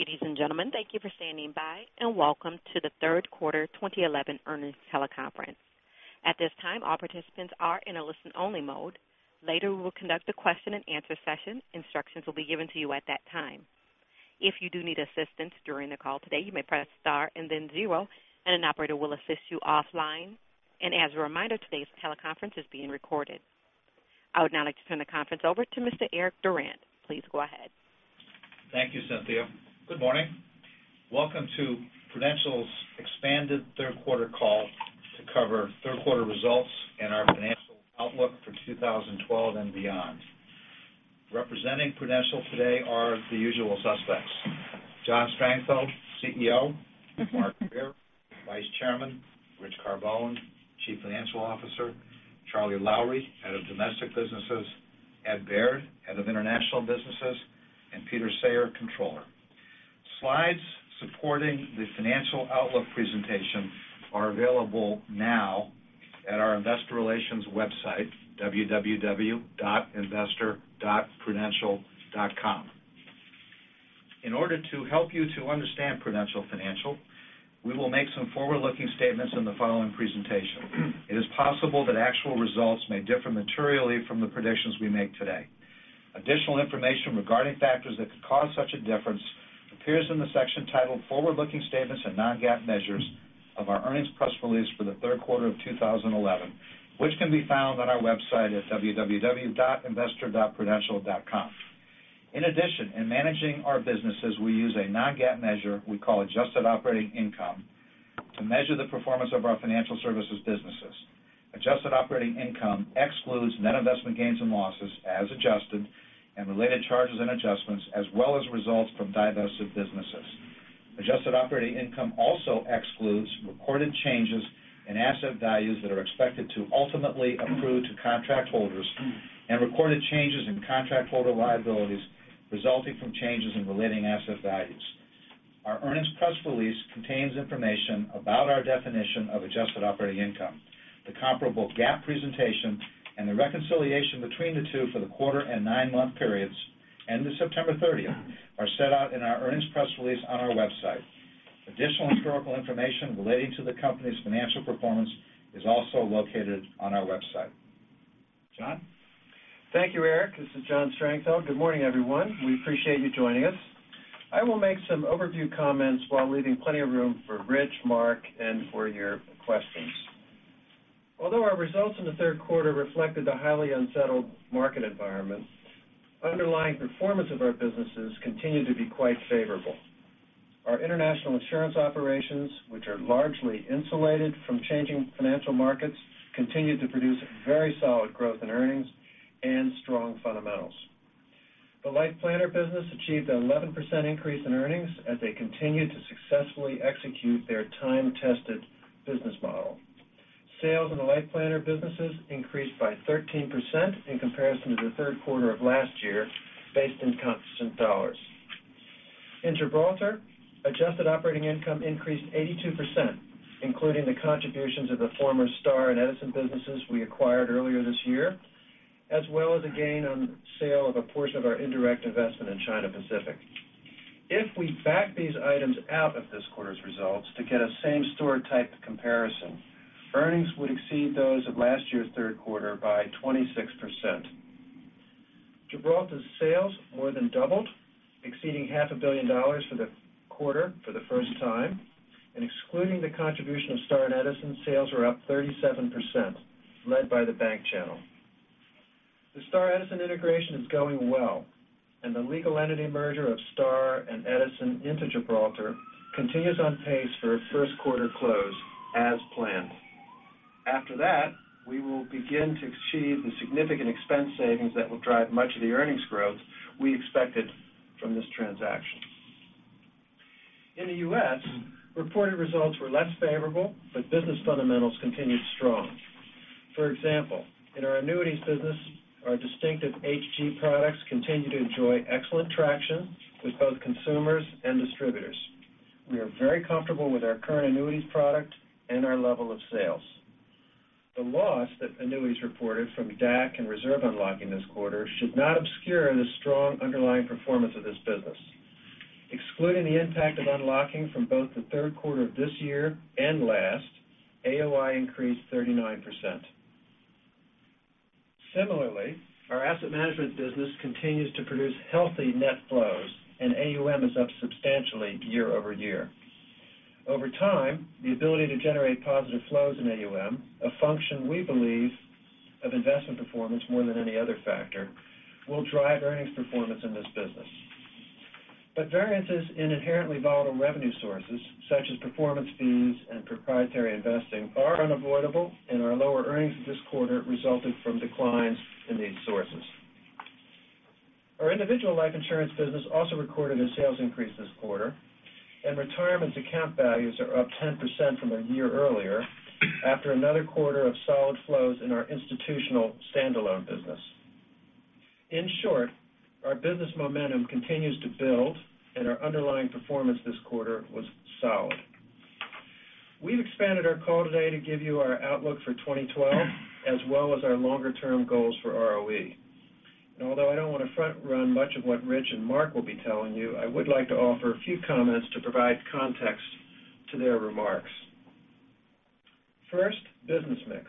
Ladies and gentlemen, thank you for standing by. Welcome to the third quarter 2011 earnings teleconference. At this time, all participants are in a listen-only mode. Later, we will conduct a question-and-answer session. Instructions will be given to you at that time. If you do need assistance during the call today, you may press star and then zero, and an operator will assist you offline. As a reminder, today's teleconference is being recorded. I would now like to turn the conference over to Mr. Eric Durant. Please go ahead. Thank you, Cynthia. Good morning. Welcome to Prudential's expanded third quarter call to cover third quarter results and our financial outlook for 2012 and beyond. Representing Prudential today are the usual suspects, John Strangfeld, CEO; Mark Grier, Vice Chairman; Rich Carbone, Chief Financial Officer; Charles Lowrey, Head of Domestic Businesses; Ed Baird, Head of International Businesses, and Peter Sayre, Controller. Slides supporting the financial outlook presentation are available now at our investor relations website, investor.prudential.com. In order to help you to understand Prudential Financial, we will make some forward-looking statements in the following presentation. It is possible that actual results may differ materially from the predictions we make today. Additional information regarding factors that could cause such a difference appears in the section titled Forward-Looking Statements and Non-GAAP Measures of our earnings press release for the third quarter of 2011, which can be found on our website at investor.prudential.com. In addition, in managing our businesses, we use a non-GAAP measure we call adjusted operating income to measure the performance of our financial services businesses. Adjusted operating income excludes net investment gains and losses as adjusted and related charges and adjustments, as well as results from divested businesses. Adjusted operating income also excludes reported changes in asset values that are expected to ultimately accrue to contract holders and recorded changes in contract holder liabilities resulting from changes in relating asset values. Our earnings press release contains information about our definition of adjusted operating income. The comparable GAAP presentation and the reconciliation between the two for the quarter and nine-month periods ended September 30 are set out in our earnings press release on our website. Additional historical information relating to the company's financial performance is also located on our website. John? Thank you, Eric. This is John Strangfeld. Good morning, everyone. We appreciate you joining us. I will make some overview comments while leaving plenty of room for Rich, Mark, and for your questions. Although our results in the third quarter reflected the highly unsettled market environment, underlying performance of our businesses continued to be quite favorable. Our international insurance operations, which are largely insulated from changing financial markets, continued to produce very solid growth in earnings and strong fundamentals. The LifePlanner business achieved an 11% increase in earnings as they continued to successfully execute their time-tested business model. Sales in the LifePlanner businesses increased by 13% in comparison to the third quarter of last year, based in constant dollars. In Gibraltar, adjusted operating income increased 82%, including the contributions of the former Star and Edison businesses we acquired earlier this year, as well as a gain on sale of a portion of our indirect investment in China Pacific. If we back these items out of this quarter's results to get a same store type comparison, earnings would exceed those of last year's third quarter by 26%. Gibraltar's sales more than doubled, exceeding half a billion dollars for the quarter for the first time. Excluding the contribution of Star and Edison, sales were up 37%, led by the bank channel. The Star Edison integration is going well, and the legal entity merger of Star and Edison into Gibraltar continues on pace for a first quarter close as planned. After that, we will begin to achieve the significant expense savings that will drive much of the earnings growth we expected from this transaction. In the U.S., reported results were less favorable, but business fundamentals continued strong. For example, in our annuities business, our distinctive HD products continue to enjoy excellent traction with both consumers and distributors. We are very comfortable with our current annuities product and our level of sales. The loss that annuities reported from DAC and reserve unlocking this quarter should not obscure the strong underlying performance of this business. Excluding the impact of unlocking from both the third quarter of this year and last, AOI increased 39%. Similarly, our asset management business continues to produce healthy net flows, and AUM is up substantially year-over-year. Over time, the ability to generate positive flows in AUM, a function we believe of investment performance more than any other factor, will drive earnings performance in this business. Variances in inherently volatile revenue sources such as performance fees and proprietary investing are unavoidable, and our lower earnings this quarter resulted from declines in these sources. Our individual life insurance business also recorded a sales increase this quarter, and retirement account values are up 10% from a year earlier after another quarter of solid flows in our institutional standalone business. In short, our business momentum continues to build, and our underlying performance this quarter was solid. We've expanded our call today to give you our outlook for 2012, as well as our longer-term goals for ROE. Although I don't want to front-run much of what Rich and Mark will be telling you, I would like to offer a few comments to provide context to their remarks. First, business mix.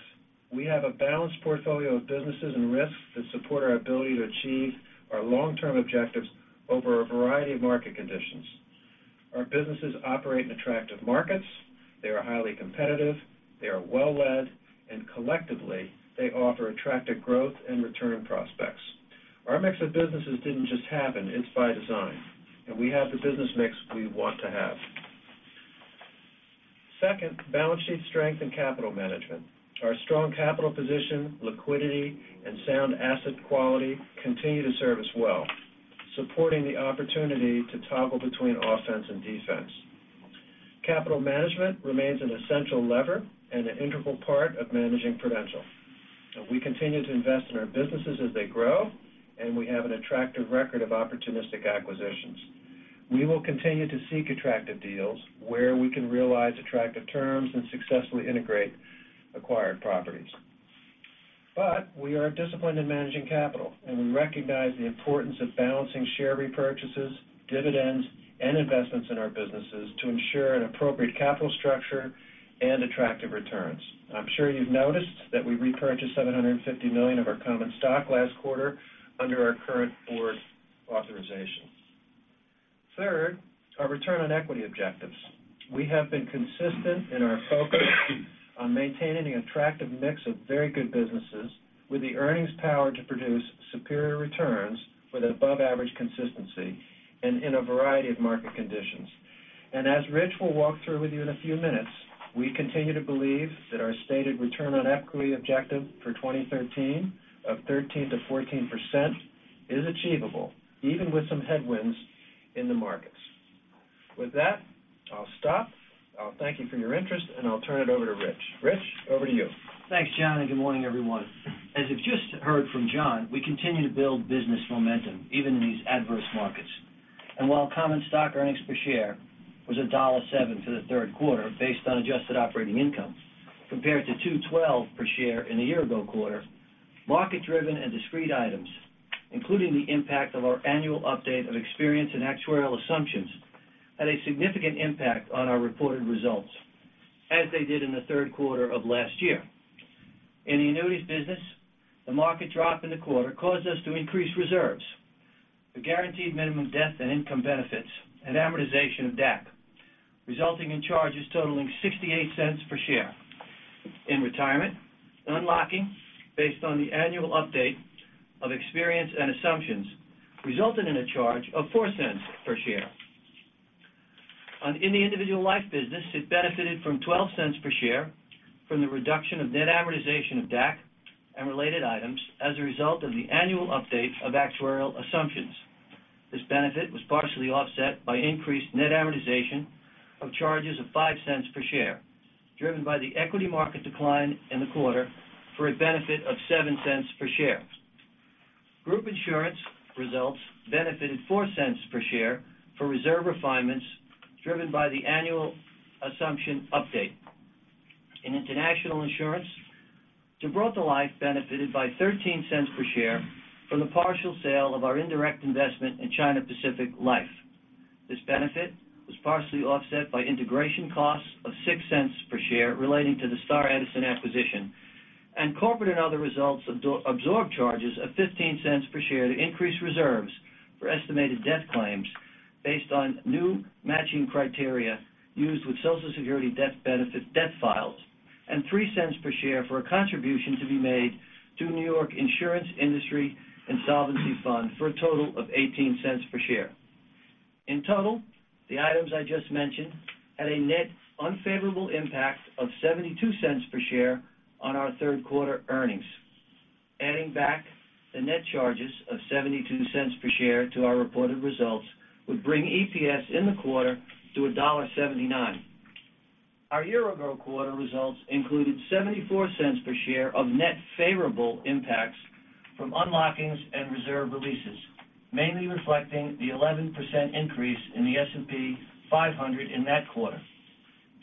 We have a balanced portfolio of businesses and risks that support our ability to achieve our long-term objectives over a variety of market conditions. Our businesses operate in attractive markets, they are highly competitive, they are well-led, and collectively, they offer attractive growth and return prospects. Our mix of businesses didn't just happen, it's by design, and we have the business mix we want to have. Second, balance sheet strength and capital management. Our strong capital position, liquidity, and sound asset quality continue to serve us well, supporting the opportunity to toggle between offense and defense. Capital management remains an essential lever and an integral part of managing Prudential, we continue to invest in our businesses as they grow, we have an attractive record of opportunistic acquisitions. We will continue to seek attractive deals where we can realize attractive terms and successfully integrate acquired properties. We are disciplined in managing capital, we recognize the importance of balancing share repurchases, dividends, and investments in our businesses to ensure an appropriate capital structure and attractive returns. I'm sure you've noticed that we repurchased $750 million of our common stock last quarter under our current board authorization. Third, our return on equity objectives. We have been consistent in our focus on maintaining an attractive mix of very good businesses with the earnings power to produce superior returns with above-average consistency and in a variety of market conditions. As Rich will walk through with you in a few minutes, we continue to believe that our stated return on equity objective for 2013 of 13%-14% is achievable even with some headwinds in the markets. With that, I'll stop. I'll thank you for your interest, I'll turn it over to Rich. Rich, over to you. Thanks, John, and good morning, everyone. As you've just heard from John, we continue to build business momentum even in these adverse markets. While common stock earnings per share was $1.07 for the third quarter, based on adjusted operating income, compared to $2.12 per share in the year-ago quarter, market-driven and discrete items, including the impact of our annual update of experience and actuarial assumptions, had a significant impact on our reported results, as they did in the third quarter of last year. In the annuities business, the market drop in the quarter caused us to increase reserves for guaranteed minimum death and income benefits and amortization of DAC, resulting in charges totaling $0.68 per share. In retirement, unlocking based on the annual update of experience and assumptions resulted in a charge of $0.04 per share. In the individual life business, it benefited from $0.12 per share from the reduction of net amortization of DAC and related items as a result of the annual update of actuarial assumptions. This benefit was partially offset by increased net amortization of charges of $0.05 per share driven by the equity market decline in the quarter for a benefit of $0.07 per share. Group insurance results benefited $0.04 per share for reserve refinements driven by the annual assumption update. In international insurance, Gibraltar Life benefited by $0.13 per share from the partial sale of our indirect investment in China Pacific Life. This benefit was partially offset by integration costs of $0.06 per share relating to the Star Edison acquisition. Corporate and other results absorbed charges of $0.15 per share to increase reserves for estimated death claims based on new matching criteria used with Social Security death benefit files and $0.03 per share for a contribution to be made to New York Property/Casualty Insurance Security Fund for a total of $0.18 per share. In total, the items I just mentioned had a net unfavorable impact of $0.72 per share on our third quarter earnings. Adding back the net charges of $0.72 per share to our reported results would bring EPS in the quarter to $1.79. Our year-ago quarter results included $0.74 per share of net favorable impacts from unlockings and reserve releases, mainly reflecting the 11% increase in the S&P 500 in that quarter.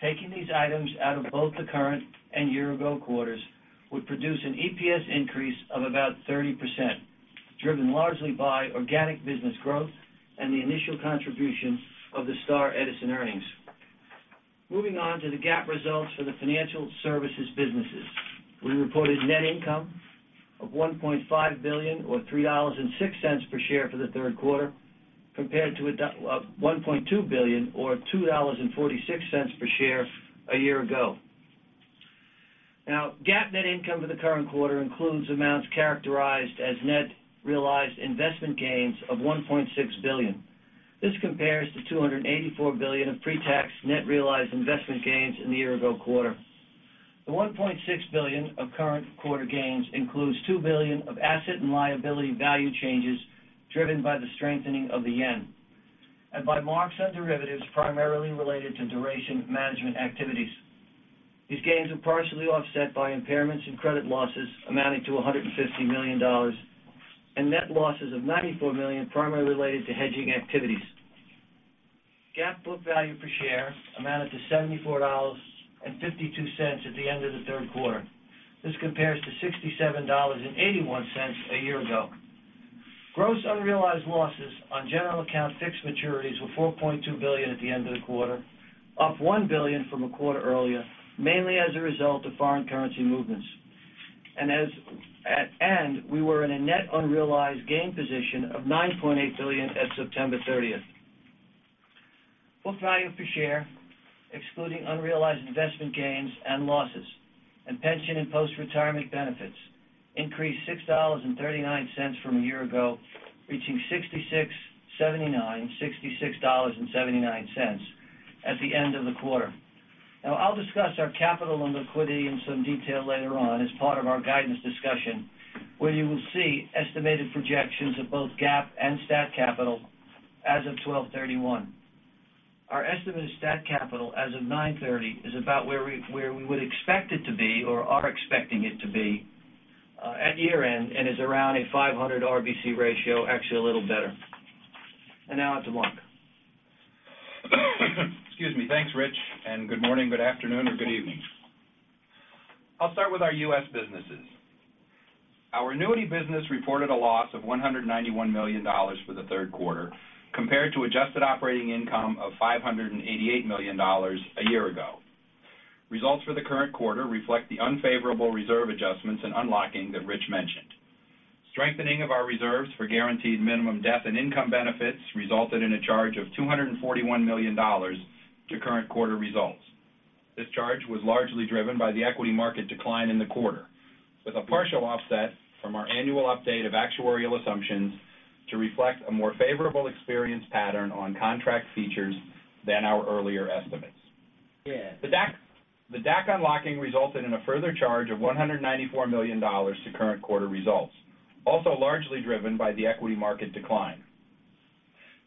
Taking these items out of both the current and year-ago quarters would produce an EPS increase of about 30%, driven largely by organic business growth and the initial contribution of the Star Edison earnings. Moving on to the GAAP results for the financial services businesses, we reported net income of $1.5 billion or $3.06 per share for the third quarter, compared to $1.2 billion or $2.46 per share a year ago. GAAP net income for the current quarter includes amounts characterized as net realized investment gains of $1.6 billion. This compares to $284 million of pre-tax net realized investment gains in the year-ago quarter. The $1.6 billion of current quarter gains includes $2 billion of asset and liability value changes driven by the strengthening of the yen and by marks on derivatives primarily related to duration management activities. These gains are partially offset by impairments and credit losses amounting to $150 million. Net losses of $94 million primarily related to hedging activities. GAAP book value per share amounted to $74.52 at the end of the third quarter. This compares to $67.81 a year ago. Gross unrealized losses on general account fixed maturities were $4.2 billion at the end of the quarter, up $1 billion from a quarter earlier, mainly as a result of foreign currency movements. We were in a net unrealized gain position of $9.8 billion at September 30th. Book value per share, excluding unrealized investment gains and losses, and pension and post-retirement benefits increased $6.39 from a year ago, reaching $66.79 at the end of the quarter. I'll discuss our capital and liquidity in some detail later on as part of our guidance discussion, where you will see estimated projections of both GAAP and stat capital as of 12/31. Our estimated stat capital as of 9/30 is about where we would expect it to be or are expecting it to be at year-end, and is around a 500 RBC ratio, actually a little better. Now on to Mark. Excuse me. Thanks, Rich. Good morning, good afternoon, or good evening. I will start with our U.S. businesses. Our annuity business reported a loss of $191 million for the third quarter compared to adjusted operating income of $588 million a year ago. Results for the current quarter reflect the unfavorable reserve adjustments and unlocking that Rich mentioned. Strengthening of our reserves for guaranteed minimum death and income benefits resulted in a charge of $241 million to current quarter results. This charge was largely driven by the equity market decline in the quarter, with a partial offset from our annual update of actuarial assumptions to reflect a more favorable experience pattern on contract features than our earlier estimates. The DAC unlocking resulted in a further charge of $194 million to current quarter results, also largely driven by the equity market decline.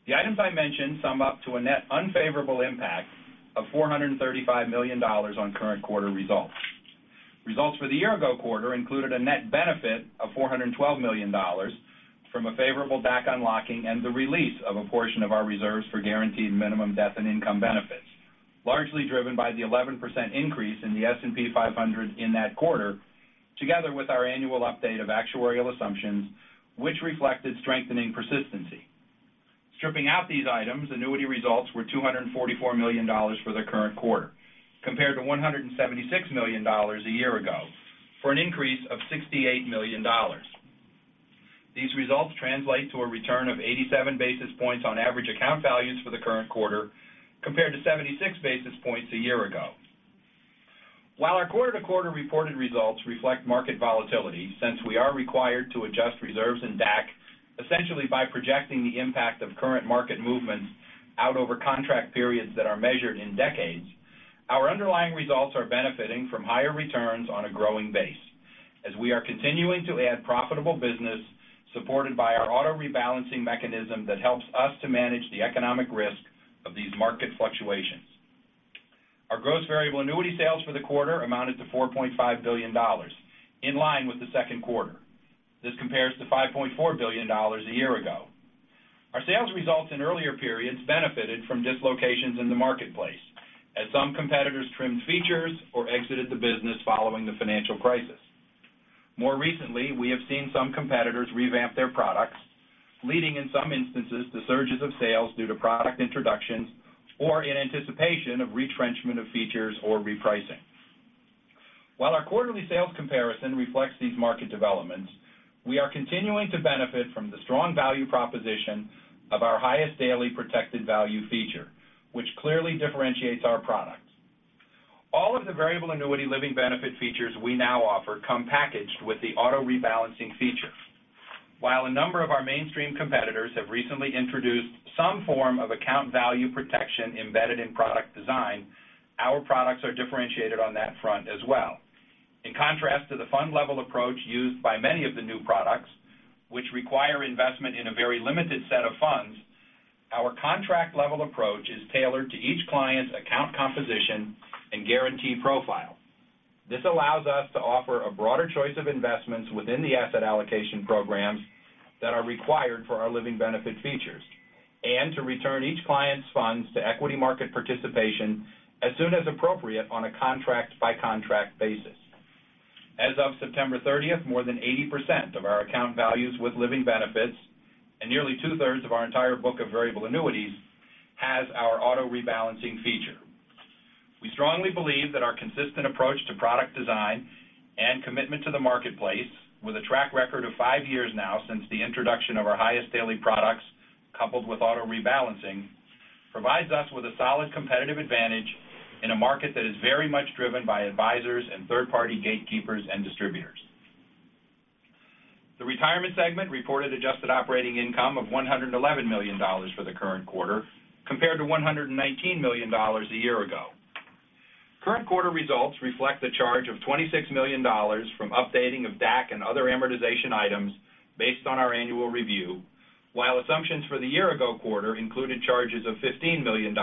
The items I mentioned sum up to a net unfavorable impact of $435 million on current quarter results. Results for the year-ago quarter included a net benefit of $412 million from a favorable DAC unlocking and the release of a portion of our reserves for guaranteed minimum death and income benefits, largely driven by the 11% increase in the S&P 500 in that quarter, together with our annual update of actuarial assumptions, which reflected strengthening persistency. Stripping out these items, annuity results were $244 million for the current quarter, compared to $176 million a year ago, for an increase of $68 million. These results translate to a return of 87 basis points on average account values for the current quarter, compared to 76 basis points a year ago. While our quarter-to-quarter reported results reflect market volatility, since we are required to adjust reserves in DAC, essentially by projecting the impact of current market movements out over contract periods that are measured in decades, our underlying results are benefiting from higher returns on a growing base, as we are continuing to add profitable business supported by our Auto-Rebalancing mechanism that helps us to manage the economic risk of these market fluctuations. Our gross variable annuity sales for the quarter amounted to $4.5 billion, in line with the second quarter. This compares to $5.4 billion a year ago. Our sales results in earlier periods benefited from dislocations in the marketplace, as some competitors trimmed features or exited the business following the financial crisis. More recently, we have seen some competitors revamp their products, leading in some instances to surges of sales due to product introductions or in anticipation of retrenchment of features or repricing. While our quarterly sales comparison reflects these market developments, we are continuing to benefit from the strong value proposition of our Highest Daily protected value feature, which clearly differentiates our products. All of the variable annuity living benefit features we now offer come packaged with the Auto-Rebalancing feature. While a number of our mainstream competitors have recently introduced some form of account value protection embedded in product design, our products are differentiated on that front as well. In contrast to the fund level approach used by many of the new products, which require investment in a very limited set of funds, our contract-level approach is tailored to each client's account composition and guarantee profile. This allows us to offer a broader choice of investments within the asset allocation programs that are required for our living benefit features, and to return each client's funds to equity market participation as soon as appropriate on a contract-by-contract basis. As of September 30th, more than 80% of our account values with living benefits and nearly two-thirds of our entire book of variable annuities has our Auto-Rebalancing feature. We strongly believe that our consistent approach to product design and commitment to the marketplace, with a track record of five years now since the introduction of our Highest Daily products coupled with Auto-Rebalancing, provides us with a solid competitive advantage in a market that is very much driven by advisors and third-party gatekeepers and distributors. The retirement segment reported adjusted operating income of $111 million for the current quarter, compared to $119 million a year ago. Current quarter results reflect the charge of $26 million from updating of DAC and other amortization items based on our annual review, while assumptions for the year-ago quarter included charges of $15 million,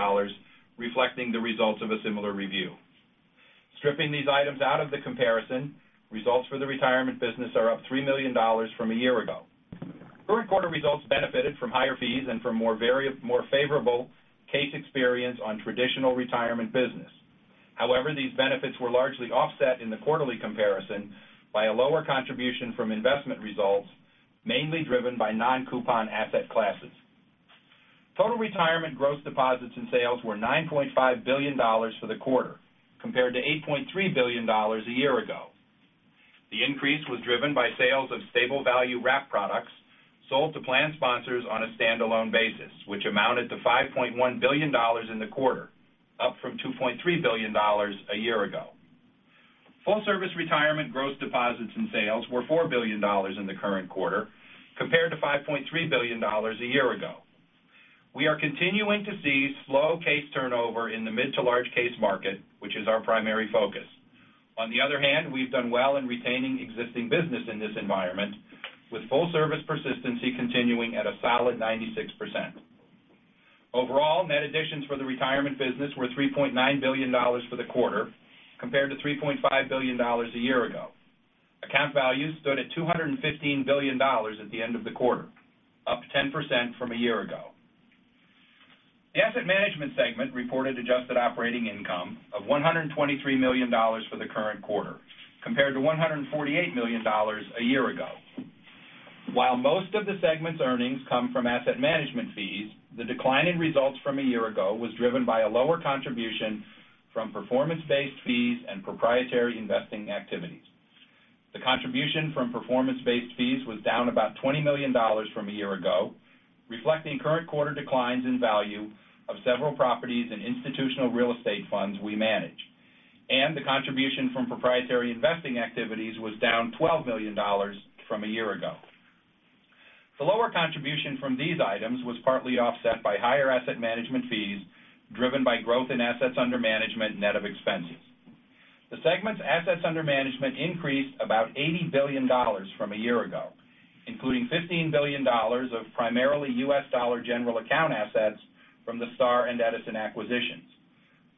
reflecting the results of a similar review. Stripping these items out of the comparison, results for the retirement business are up $3 million from a year ago. Third quarter results benefited from higher fees and from more favorable case experience on traditional retirement business. However, these benefits were largely offset in the quarterly comparison by a lower contribution from investment results, mainly driven by non-coupon asset classes. Total retirement gross deposits and sales were $9.5 billion for the quarter, compared to $8.3 billion a year ago. The increase was driven by sales of stable value wrap products sold to plan sponsors on a standalone basis, which amounted to $5.1 billion in the quarter, up from $2.3 billion a year ago. Full service retirement gross deposits and sales were $4 billion in the current quarter compared to $5.3 billion a year ago. We are continuing to see slow case turnover in the mid to large case market, which is our primary focus. On the other hand, we've done well in retaining existing business in this environment with full service persistency continuing at a solid 96%. Overall, net additions for the retirement business were $3.9 billion for the quarter, compared to $3.5 billion a year ago. Account values stood at $215 billion at the end of the quarter, up 10% from a year ago. The asset management segment reported adjusted operating income of $123 million for the current quarter, compared to $148 million a year ago. While most of the segment's earnings come from asset management fees, the decline in results from a year ago was driven by a lower contribution from performance-based fees and proprietary investing activities. The contribution from performance-based fees was down about $20 million from a year ago, reflecting current quarter declines in value of several properties and institutional real estate funds we manage. The contribution from proprietary investing activities was down $12 million from a year ago. The lower contribution from these items was partly offset by higher asset management fees driven by growth in assets under management net of expenses. The segment's assets under management increased about $80 billion from a year ago, including $15 billion of primarily U.S. dollar general account assets from the Star and Edison acquisitions.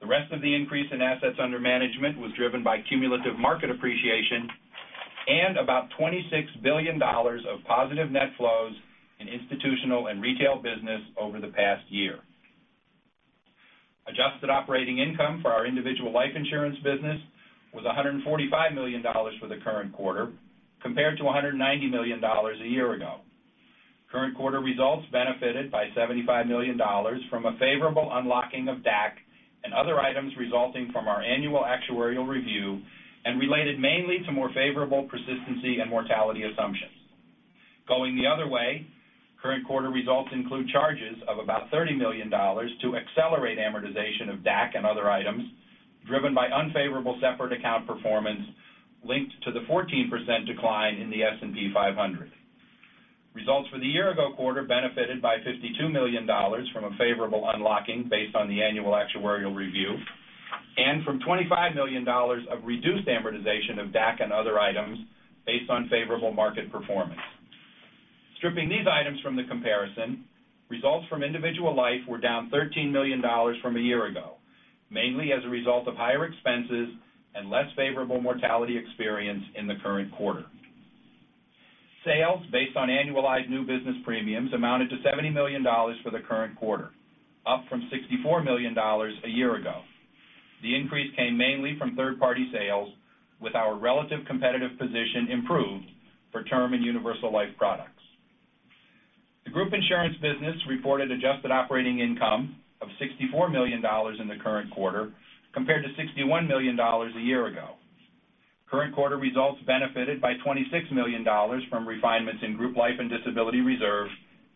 The rest of the increase in assets under management was driven by cumulative market appreciation and about $26 billion of positive net flows in institutional and retail business over the past year. Adjusted operating income for our individual life insurance business was $145 million for the current quarter, compared to $190 million a year ago. Current quarter results benefited by $75 million from a favorable unlocking of DAC and other items resulting from our annual actuarial review, and related mainly to more favorable persistency and mortality assumptions. Going the other way, current quarter results include charges of about $30 million to accelerate amortization of DAC and other items, driven by unfavorable separate account performance linked to the 14% decline in the S&P 500. Results for the year-ago quarter benefited by $52 million from a favorable unlocking based on the annual actuarial review and from $25 million of reduced amortization of DAC and other items based on favorable market performance. Stripping these items from the comparison, results from individual life were down $13 million from a year ago, mainly as a result of higher expenses and less favorable mortality experience in the current quarter. Sales based on annualized new business premiums amounted to $70 million for the current quarter, up from $64 million a year ago. The increase came mainly from third-party sales, with our relative competitive position improved for term life and universal life products. The group insurance business reported adjusted operating income of $64 million in the current quarter, compared to $61 million a year ago. Current quarter results benefited by $26 million from refinements in group life and disability reserves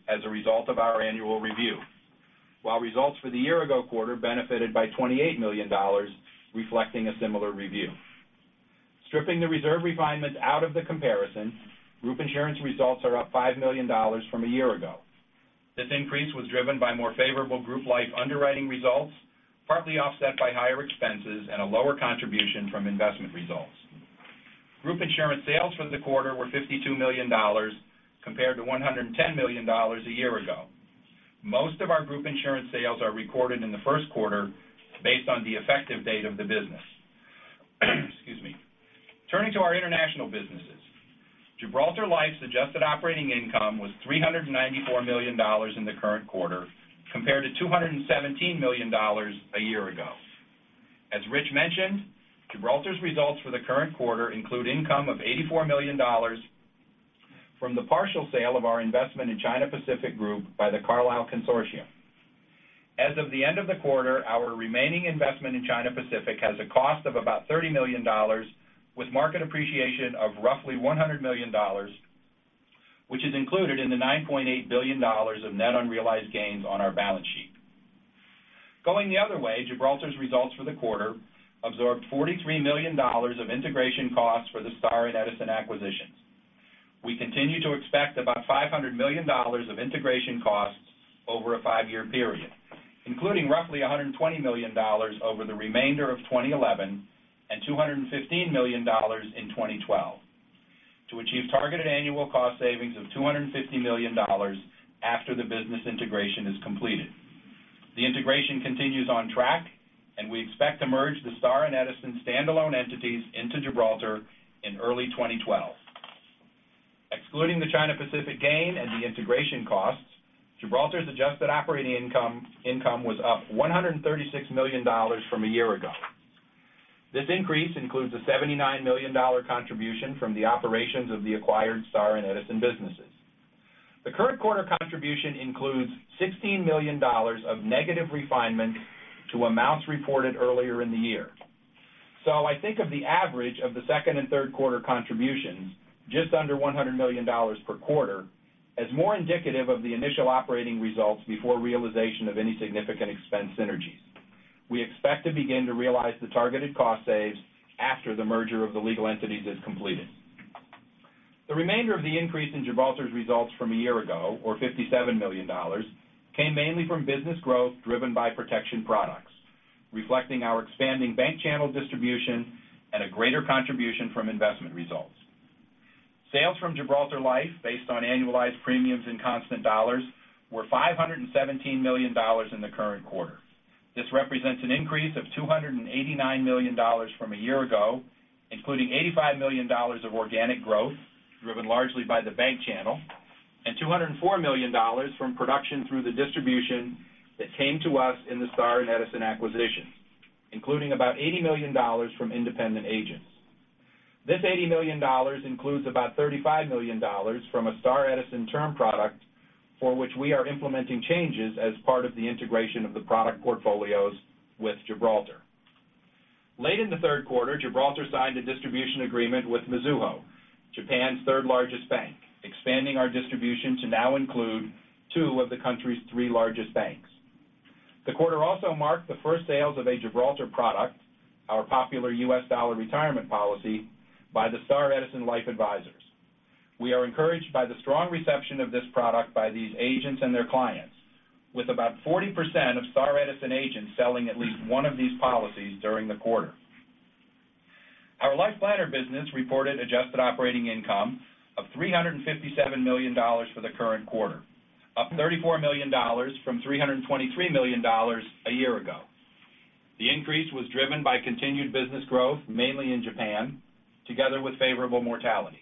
as a result of our annual review. While results for the year-ago quarter benefited by $28 million, reflecting a similar review. Stripping the reserve refinements out of the comparison, group insurance results are up $5 million from a year ago. This increase was driven by more favorable group life underwriting results, partly offset by higher expenses and a lower contribution from investment results. Group insurance sales for the quarter were $52 million, compared to $110 million a year ago. Most of our group insurance sales are recorded in the first quarter based on the effective date of the business. Excuse me. Turning to our international businesses. Gibraltar Life's adjusted operating income was $394 million in the current quarter, compared to $217 million a year ago. As Rich mentioned, Gibraltar's results for the current quarter include income of $84 million from the partial sale of our investment in China Pacific Group by the Carlyle Group consortium. As of the end of the quarter, our remaining investment in China Pacific has a cost of about $30 million, with market appreciation of roughly $100 million, which is included in the $9.8 billion of net unrealized gains on our balance sheet. Going the other way, Gibraltar's results for the quarter absorbed $43 million of integration costs for the Star and Edison acquisitions. We continue to expect about $500 million of integration costs over a five-year period, including roughly $120 million over the remainder of 2011 and $215 million in 2012. To achieve targeted annual cost savings of $250 million after the business integration is completed. The integration continues on track, and we expect to merge the Star and Edison standalone entities into Gibraltar in early 2012. Excluding the China Pacific gain and the integration costs, Gibraltar's adjusted operating income was up $136 million from a year ago. This increase includes a $79 million contribution from the operations of the acquired Star and Edison businesses. The current quarter contribution includes $16 million of negative refinements to amounts reported earlier in the year. I think of the average of the second and third quarter contributions, just under $100 million per quarter, as more indicative of the initial operating results before realization of any significant expense synergies. We expect to begin to realize the targeted cost saves after the merger of the legal entities is completed. The remainder of the increase in Gibraltar's results from a year ago, or $57 million, came mainly from business growth driven by protection products, reflecting our expanding bank channel distribution and a greater contribution from investment results. Sales from Gibraltar Life, based on annualized premiums in constant dollars, were $517 million in the current quarter. This represents an increase of $289 million from a year ago, including $85 million of organic growth, driven largely by the bank channel, and $204 million from production through the distribution that came to us in the Star and Edison acquisition, including about $80 million from independent agents. This $80 million includes about $35 million from a Star Edison term product for which we are implementing changes as part of the integration of the product portfolios with Gibraltar. Late in the third quarter, Gibraltar signed a distribution agreement with Mizuho, Japan's third largest bank, expanding our distribution to now include two of the country's three largest banks. The quarter also marked the first sales of a Gibraltar product, our popular US dollar retirement policy, by the Star Edison life advisors. We are encouraged by the strong reception of this product by these agents and their clients, with about 40% of Star Edison agents selling at least one of these policies during the quarter. Our LifePlanner business reported adjusted operating income of $357 million for the current quarter, up $34 million from $323 million a year ago. The increase was driven by continued business growth, mainly in Japan, together with favorable mortality.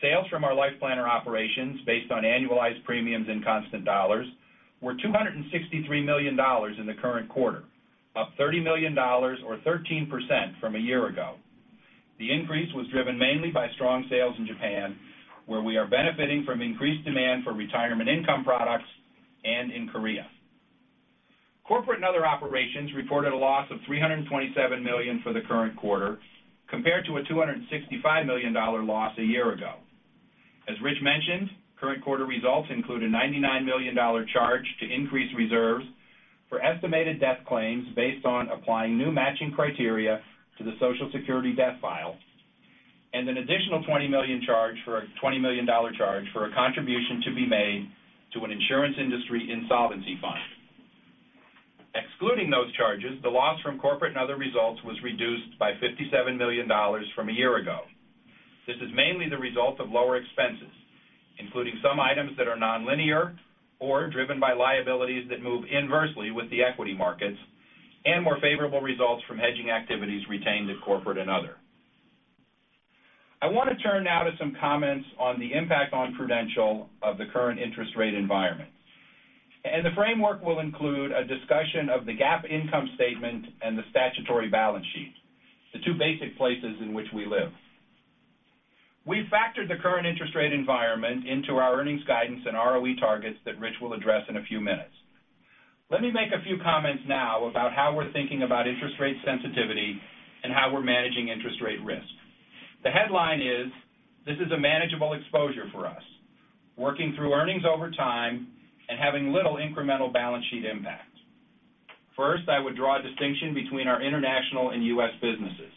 Sales from our LifePlanner operations, based on annualized premiums in constant dollars, were $263 million in the current quarter, up $30 million or 13% from a year ago. The increase was driven mainly by strong sales in Japan, where we are benefiting from increased demand for retirement income products, and in Korea. Corporate and other operations reported a loss of $327 million for the current quarter compared to a $265 million loss a year ago. As Rich mentioned, current quarter results include a $99 million charge to increase reserves for estimated death claims based on applying new matching criteria to the Social Security death file, and an additional $20 million charge for a contribution to be made to an insurance industry insolvency fund. Excluding those charges, the loss from corporate and other results was reduced by $57 million from a year ago. This is mainly the result of lower expenses, including some items that are nonlinear or driven by liabilities that move inversely with the equity markets and more favorable results from hedging activities retained at corporate and other. I want to turn now to some comments on the impact on Prudential Financial of the current interest rate environment. The framework will include a discussion of the GAAP income statement and the statutory balance sheet, the two basic places in which we live. We factored the current interest rate environment into our earnings guidance and ROE targets that Rich will address in a few minutes. Let me make a few comments now about how we're thinking about interest rate sensitivity and how we're managing interest rate risk. The headline is, this is a manageable exposure for us, working through earnings over time and having little incremental balance sheet impact. First, I would draw a distinction between our international and U.S. businesses.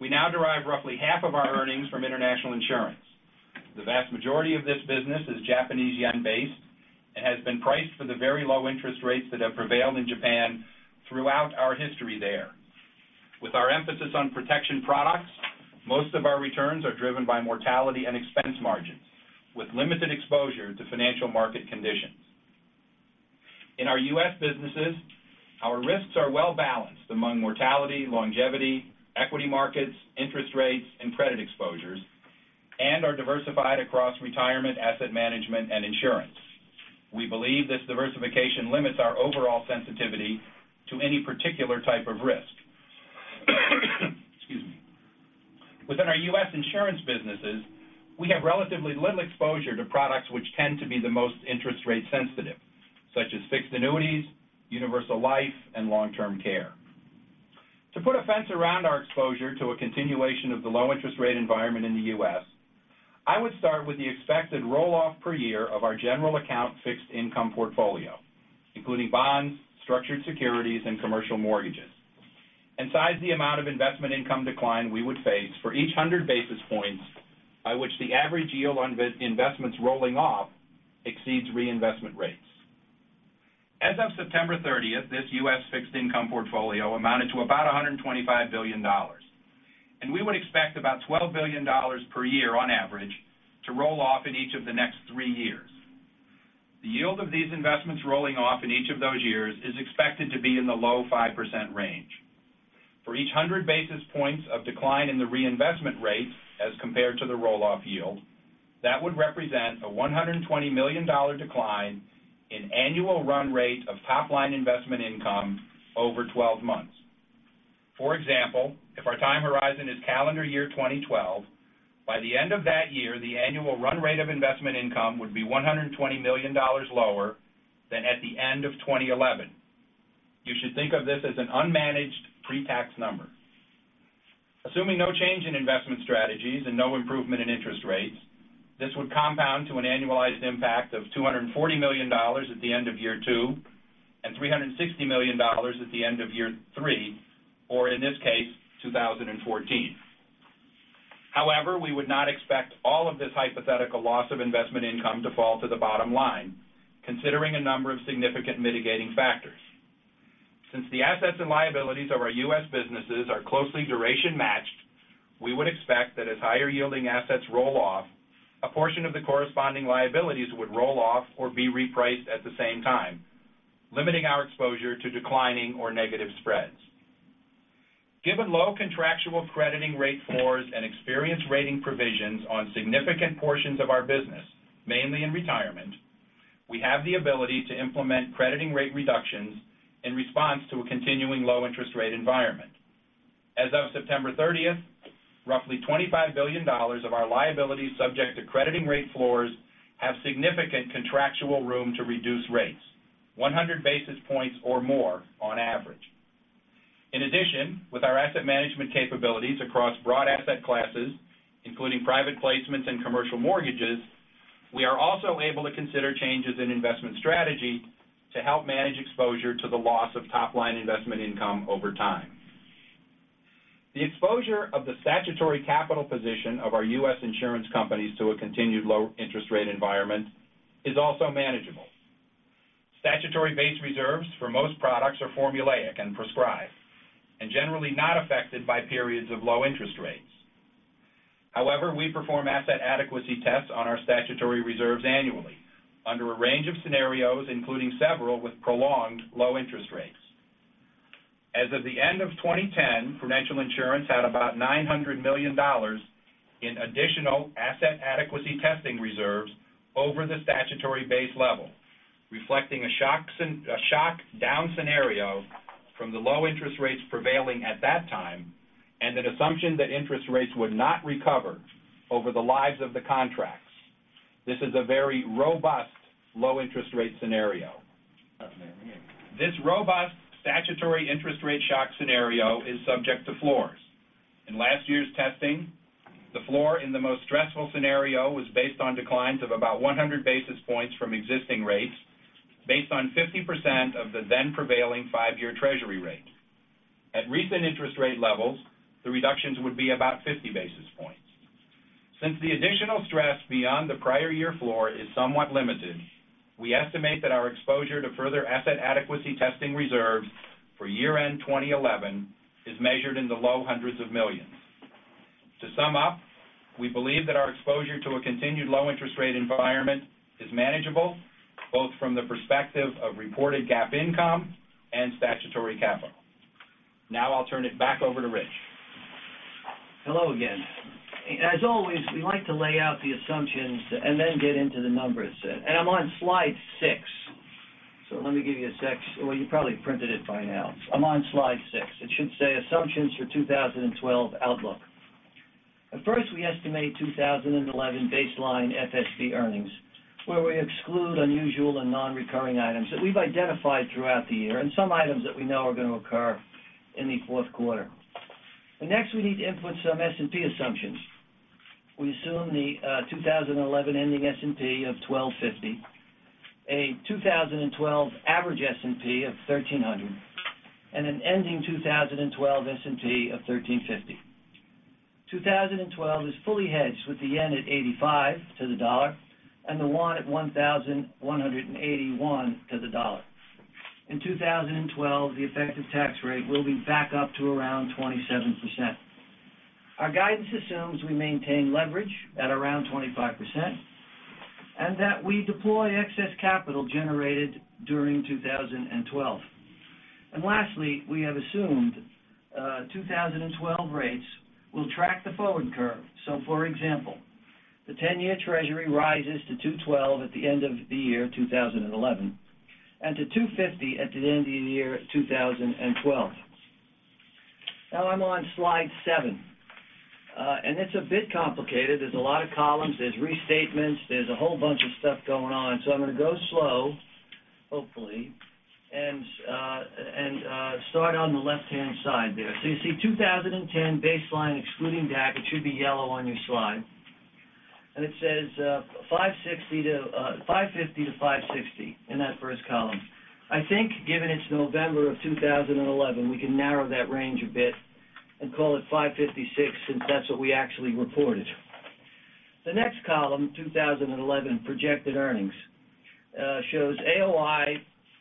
We now derive roughly half of our earnings from international insurance. The vast majority of this business is Japanese yen based and has been priced for the very low interest rates that have prevailed in Japan throughout our history there. With our emphasis on protection products, most of our returns are driven by mortality and expense margins, with limited exposure to financial market conditions. In our U.S. businesses, our risks are well balanced among mortality, longevity, equity markets, interest rates, and credit exposures and are diversified across retirement, asset management, and insurance. We believe this diversification limits our overall sensitivity to any particular type of risk. Excuse me. Within our U.S. insurance businesses, we have relatively little exposure to products which tend to be the most interest rate sensitive, such as fixed annuities, universal life, and long-term care. To put a fence around our exposure to a continuation of the low interest rate environment in the U.S., I would start with the expected roll-off per year of our general account fixed income portfolio, including bonds, structured securities, and commercial mortgages, and size the amount of investment income decline we would face for each 100 basis points by which the average yield on investments rolling off exceeds reinvestment rates. As of September 30th, this U.S. fixed income portfolio amounted to about $125 billion. We would expect about $12 billion per year on average to roll off in each of the next three years. The yield of these investments rolling off in each of those years is expected to be in the low 5% range. For each 100 basis points of decline in the reinvestment rate as compared to the roll-off yield, that would represent a $120 million decline in annual run rate of top-line investment income over 12 months. If our time horizon is calendar year 2012, by the end of that year, the annual run rate of investment income would be $120 million lower than at the end of 2011. You should think of this as an unmanaged pre-tax number. Assuming no change in investment strategies and no improvement in interest rates, this would compound to an annualized impact of $240 million at the end of year two and $360 million at the end of year three, or in this case, 2014. We would not expect all of this hypothetical loss of investment income to fall to the bottom line, considering a number of significant mitigating factors. Since the assets and liabilities of our U.S. businesses are closely duration matched, we would expect that as higher yielding assets roll off, a portion of the corresponding liabilities would roll off or be repriced at the same time, limiting our exposure to declining or negative spreads. Given low contractual crediting rate floors and experience rating provisions on significant portions of our business, mainly in retirement, we have the ability to implement crediting rate reductions in response to a continuing low interest rate environment. As of September 30th, roughly $25 billion of our liabilities subject to crediting rate floors have significant contractual room to reduce rates 100 basis points or more on average. With our asset management capabilities across broad asset classes, including private placements and commercial mortgages, we are also able to consider changes in investment strategy to help manage exposure to the loss of top-line investment income over time. The exposure of the statutory capital position of our U.S. insurance companies to a continued low interest rate environment is also manageable. Statutory base reserves for most products are formulaic and prescribed and generally not affected by periods of low interest rates. However, we perform asset adequacy tests on our statutory reserves annually under a range of scenarios, including several with prolonged low interest rates. As of the end of 2010, Prudential Insurance had about $900 million in additional asset adequacy testing reserves over the statutory base level, reflecting a shock down scenario from the low interest rates prevailing at that time and an assumption that interest rates would not recover over the lives of the contracts. This is a very robust low interest rate scenario. This robust statutory interest rate shock scenario is subject to floors. In last year's testing, the floor in the most stressful scenario was based on declines of about 100 basis points from existing rates based on 50% of the then prevailing five-year treasury rate. At recent interest rate levels, the reductions would be about 50 basis points. The additional stress beyond the prior year floor is somewhat limited, we estimate that our exposure to further asset adequacy testing reserves for year-end 2011 is measured in the low hundreds of millions. To sum up, we believe that our exposure to a continued low interest rate environment is manageable, both from the perspective of reported GAAP income and statutory capital. I'll turn it back over to Rich. Hello again. As always, we like to lay out the assumptions and then get into the numbers. I'm on slide six, so let me give you a sec. Well, you probably printed it by now. I'm on slide six. It should say assumptions for 2012 outlook. First, we estimate 2011 baseline FSB earnings, where we exclude unusual and non-recurring items that we've identified throughout the year and some items that we know are going to occur in the fourth quarter. We need to input some S&P assumptions. We assume the 2011 ending S&P of 1,250, a 2012 average S&P of 1,300, and an ending 2012 S&P of 1,350. 2012 is fully hedged with the yen at 85 to the dollar and the won at 1,110 to the dollar. In 2012, the effective tax rate will be back up to around 27%. Our guidance assumes we maintain leverage at around 25% and that we deploy excess capital generated during 2012. Lastly, we have assumed 2012 rates will track the forward curve. For example, the 10-year treasury rises to 2.12% at the end of the year 2011 and to 2.50% at the end of the year 2012. I'm on slide seven. It's a bit complicated. There's a lot of columns, there's restatements, there's a whole bunch of stuff going on. I'm going to go slow, hopefully, and start on the left-hand side there. You see 2010 baseline excluding DAC. It should be yellow on your slide. It says $550-$560 in that first column. I think given it's November of 2011, we can narrow that range a bit and call it $556 since that's what we actually reported. The next column, 2011 projected earnings, shows AOI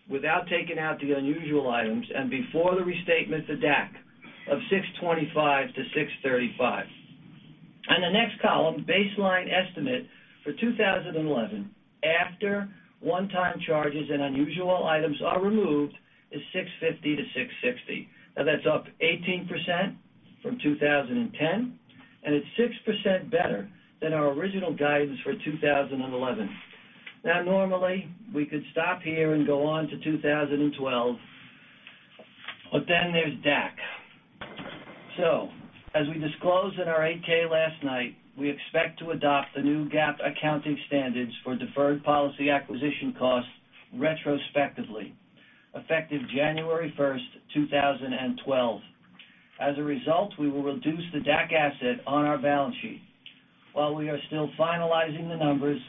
without taking out the unusual items and before the restatement of DAC of $625-$635. The next column, baseline estimate for 2011 after one-time charges and unusual items are removed, is $650-$660. That's up 18% from 2010, and it's 6% better than our original guidance for 2011. Normally, we could stop here and go on to 2012, there's DAC. As we disclosed in our 8-K last night, we expect to adopt the new GAAP accounting standards for deferred policy acquisition costs retrospectively, effective January 1st, 2012. As a result, we will reduce the DAC asset on our balance sheet. While we are still finalizing the numbers,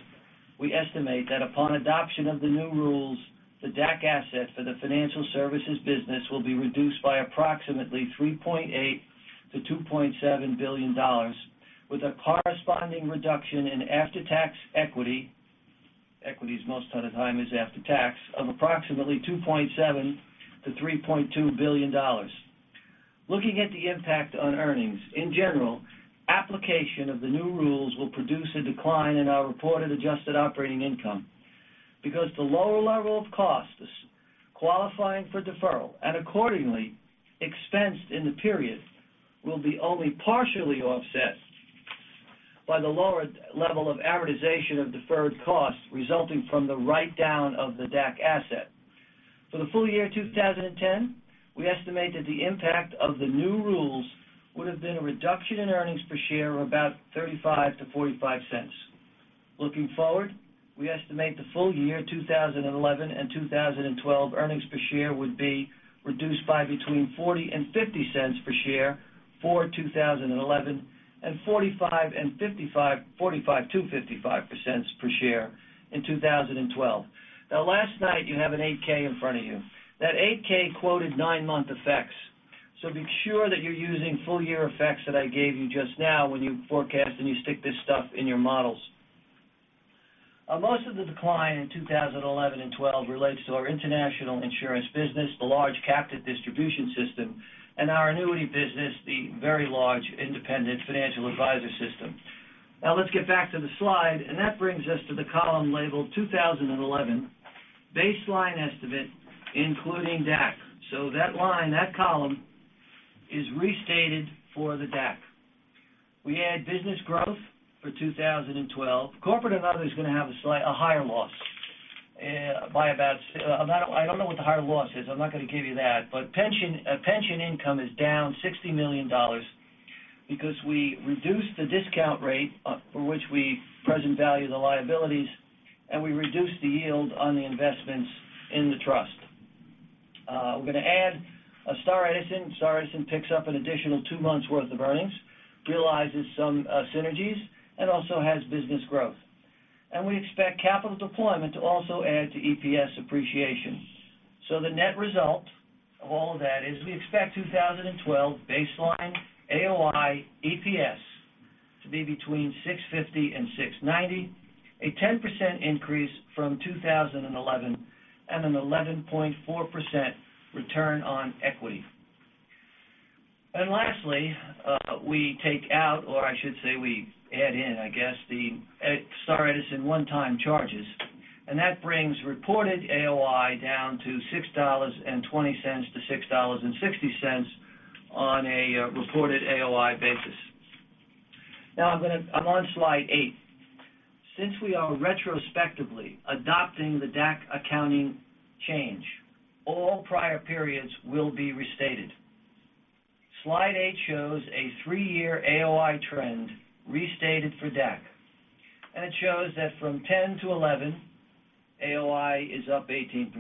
we estimate that upon adoption of the new rules, the DAC asset for the financial services business will be reduced by approximately $3.8 billion-$2.7 billion, with a corresponding reduction in after-tax equity most of the time is after tax, of approximately $2.7 billion-$3.2 billion. Looking at the impact on earnings, in general, application of the new rules will produce a decline in our reported adjusted operating income because the lower level of costs qualifying for deferral and accordingly expensed in the period will be only partially offset by the lower level of amortization of deferred costs resulting from the write-down of the DAC asset. For the full year 2010, we estimate that the impact of the new rules would have been a reduction in earnings per share of about $0.35-$0.45. Looking forward, we estimate the full year 2011 and 2012 earnings per share would be reduced by between $0.40 and $0.50 per share for 2011, and $0.45-$0.55 per share in 2012. Last night, you have an 8-K in front of you. That 8-K quoted 9-month effects. Be sure that you're using full year effects that I gave you just now when you forecast and you stick this stuff in your models. Most of the decline in 2011 and 2012 relates to our international insurance business, the large captive distribution system, and our annuity business, the very large independent financial advisor system. Let's get back to the slide, and that brings us to the column labeled 2011, baseline estimate, including DAC. That line, that column is restated for the DAC. We add business growth for 2012. Corporate and other is going to have a higher loss by about I don't know what the higher loss is. I'm not going to give you that. Pension income is down $60 million because we reduced the discount rate for which we present value the liabilities, and we reduced the yield on the investments in the trust. We're going to add Star and Edison. Star and Edison picks up an additional 2 months worth of earnings, realizes some synergies, and also has business growth. We expect capital deployment to also add to EPS appreciation. The net result of all of that is we expect 2012 baseline AOI EPS to be between $6.50 and $6.90, a 10% increase from 2011, and an 11.4% return on equity. Lastly, we take out, or I should say we add in, I guess, the Star and Edison one-time charges, and that brings reported AOI down to $6.20-$6.60 on a reported AOI basis. I'm on slide eight. Since we are retrospectively adopting the DAC accounting change, all prior periods will be restated. Slide eight shows a 3-year AOI trend restated for DAC, and it shows that from 2010 to 2011, AOI is up 18%,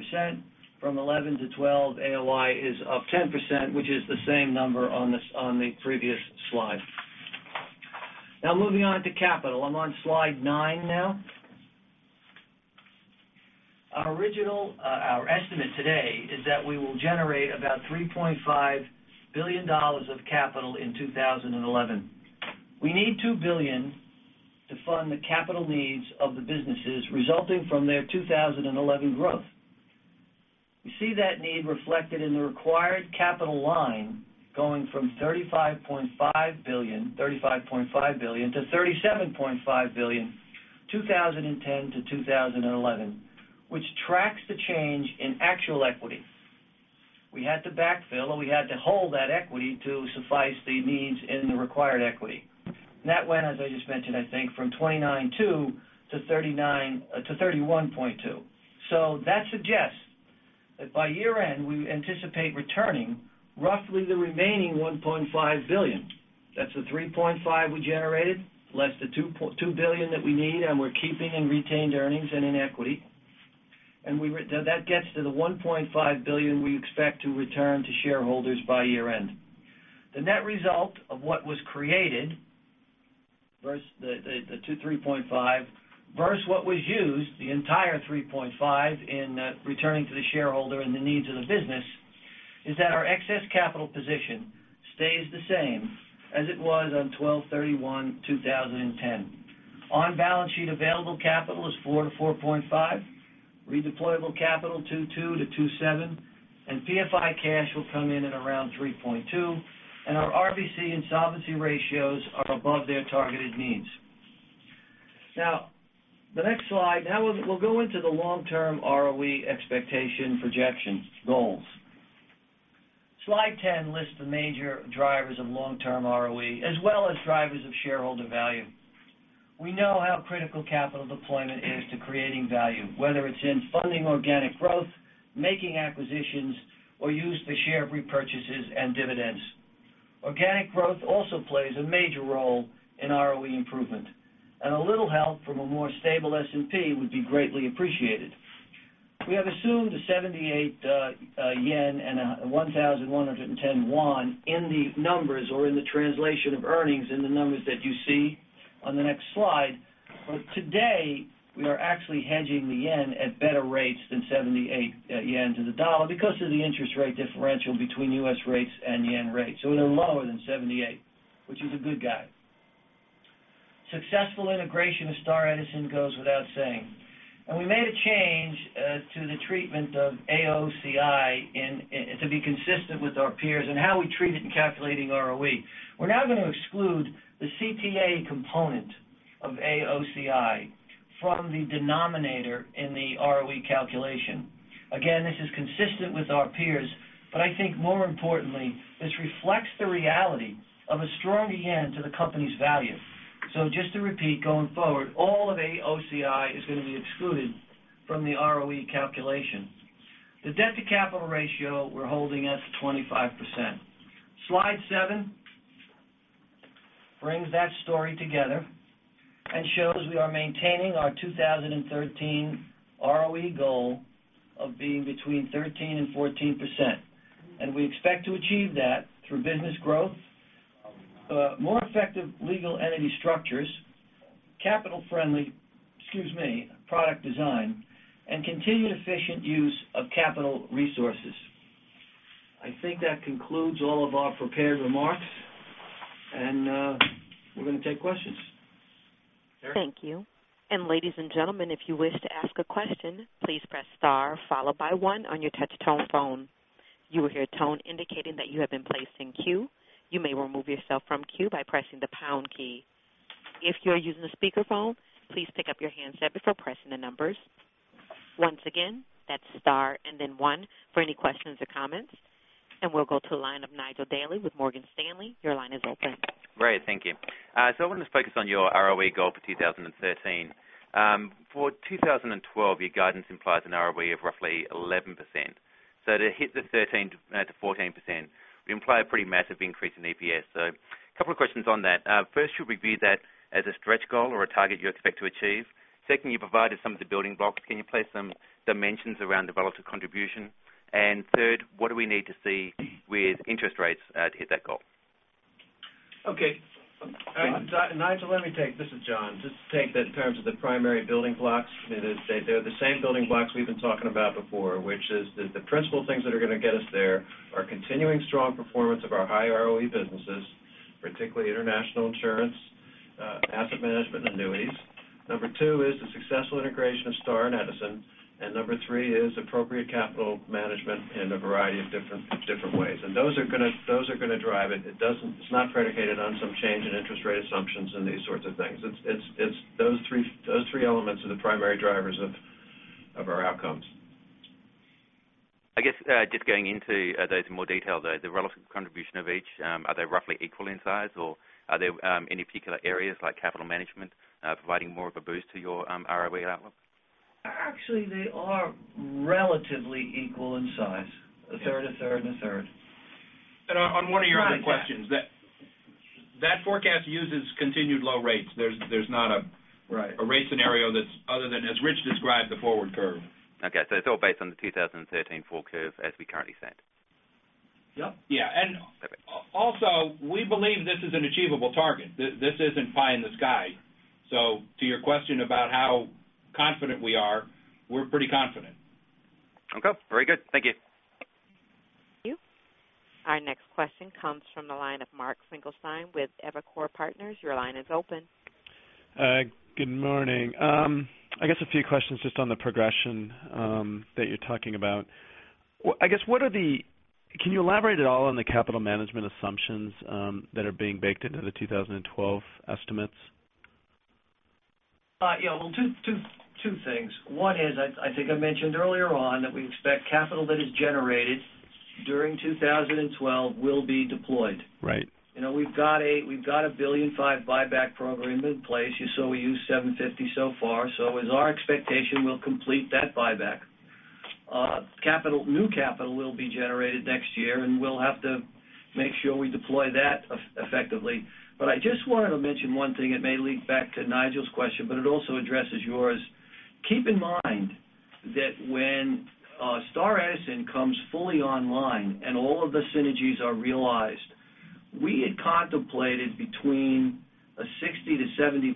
from 2011 to 2012, AOI is up 10%, which is the same number on the previous slide. Moving on to capital. I'm on slide nine now. Our estimate today is that we will generate about $3.5 billion of capital in 2011. We need $2 billion to fund the capital needs of the businesses resulting from their 2011 growth. You see that need reflected in the required capital line going from $35.5 billion-$37.5 billion, 2010 to 2011, which tracks the change in actual equity. We had to backfill, or we had to hold that equity to suffice the needs in the required equity. That went, as I just mentioned, I think, from $29.2 billion-$31.2 billion. That suggests that by year-end, we anticipate returning roughly the remaining $1.5 billion. That's the $3.5 billion we generated, less the $2 billion that we need and we're keeping in retained earnings and in equity. That gets to the $1.5 billion we expect to return to shareholders by year-end. The net result of what was created versus the $3.5 billion versus what was used, the entire $3.5 billion in returning to the shareholder and the needs of the business is that our excess capital position stays the same as it was on 12/31/2010. On-balance sheet available capital is $4 billion-$4.5 billion, redeployable capital $2.2 billion-$2.7 billion, and PFI cash will come in at around $3.2 billion, and our RBC and solvency ratios are above their targeted needs. The next slide. We'll go into the long-term ROE expectation projection goals. Slide ten lists the major drivers of long-term ROE, as well as drivers of shareholder value. We know how critical capital deployment is to creating value, whether it's in funding organic growth, making acquisitions, or used for share repurchases and dividends. Organic growth also plays a major role in ROE improvement, a little help from a more stable S&P would be greatly appreciated. We have assumed a 78 yen and a 1,110 won in the numbers or in the translation of earnings in the numbers that you see on the next slide. Today, we are actually hedging the JPY at better rates than 78 yen to the dollar because of the interest rate differential between U.S. rates and JPY rates. We're lower than 78, which is a good guide. Successful integration of Star Edison goes without saying. We made a change to the treatment of AOCI to be consistent with our peers in how we treat it in calculating ROE. We're now going to exclude the CTA component of AOCI from the denominator in the ROE calculation. Again, this is consistent with our peers, but I think more importantly, this reflects the reality of a strong JPY to the company's value. Just to repeat, going forward, all of AOCI is going to be excluded from the ROE calculation. The debt-to-capital ratio we're holding at 25%. Slide seven brings that story together and shows we are maintaining our 2013 ROE goal of being between 13% and 14%, and we expect to achieve that through business growth, more effective legal entity structures, capital-friendly product design, and continued efficient use of capital resources. I think that concludes all of our prepared remarks, we're going to take questions. Thank you. Ladies and gentlemen, if you wish to ask a question, please press star followed by 1 on your touch-tone phone. You will hear a tone indicating that you have been placed in queue. You may remove yourself from queue by pressing the pound key. If you are using a speakerphone, please pick up your handset before pressing the numbers. Once again, that's star and then 1 for any questions or comments. We'll go to the line of Nigel Dally with Morgan Stanley. Your line is open. Great, thank you. I wanted to focus on your ROE goal for 2013. For 2012, your guidance implies an ROE of roughly 11%. To hit the 13%-14%, you imply a pretty massive increase in EPS. A couple of questions on that. First, should we view that as a stretch goal or a target you expect to achieve? Second, you provided some of the building blocks. Can you place some dimensions around the relative contribution? Third, what do we need to see with interest rates to hit that goal? Okay. John. Nigel, let me take this. This is John. Just to take that in terms of the primary building blocks, they're the same building blocks we've been talking about before, which is the principal things that are going to get us there are continuing strong performance of our high ROE businesses, particularly international insurance, asset management, and annuities. Number two is the successful integration of Star and Edison, and number three is appropriate capital management in a variety of different ways. Those are going to drive it. It's not predicated on some change in interest rate assumptions and these sorts of things. Those three elements are the primary drivers of our outcomes. I guess, just going into those in more detail, though, the relative contribution of each, are they roughly equal in size, or are there any particular areas like capital management providing more of a boost to your ROE outlook? Actually, they are relatively equal in size. A third, a third, and a third. On one of your other questions. That forecast uses continued low rates. There's not Right a rate scenario that's other than, as Rich described, the forward curve. Okay. It's all based on the 2013 full curve as we currently stand. Yep. Yeah. Okay. Also, we believe this is an achievable target. This isn't pie in the sky. To your question about how confident we are, we're pretty confident. Okay. Very good. Thank you. Thank you. Our next question comes from the line of Mark Finkelstein with Evercore Partners. Your line is open. Good morning. I guess a few questions just on the progression that you are talking about. Can you elaborate at all on the capital management assumptions that are being baked into the 2012 estimates? Yeah. Well, two things. One is, I think I mentioned earlier on that we expect capital that is generated during 2012 will be deployed. Right. We've got a $1.5 billion buyback program in place. We used $750 so far. It is our expectation we'll complete that buyback. New capital will be generated next year, and we'll have to make sure we deploy that effectively. I just wanted to mention one thing. It may lead back to Nigel's question, but it also addresses yours. Keep in mind that when Star Edison comes fully online and all of the synergies are realized We had contemplated between a 60 to 70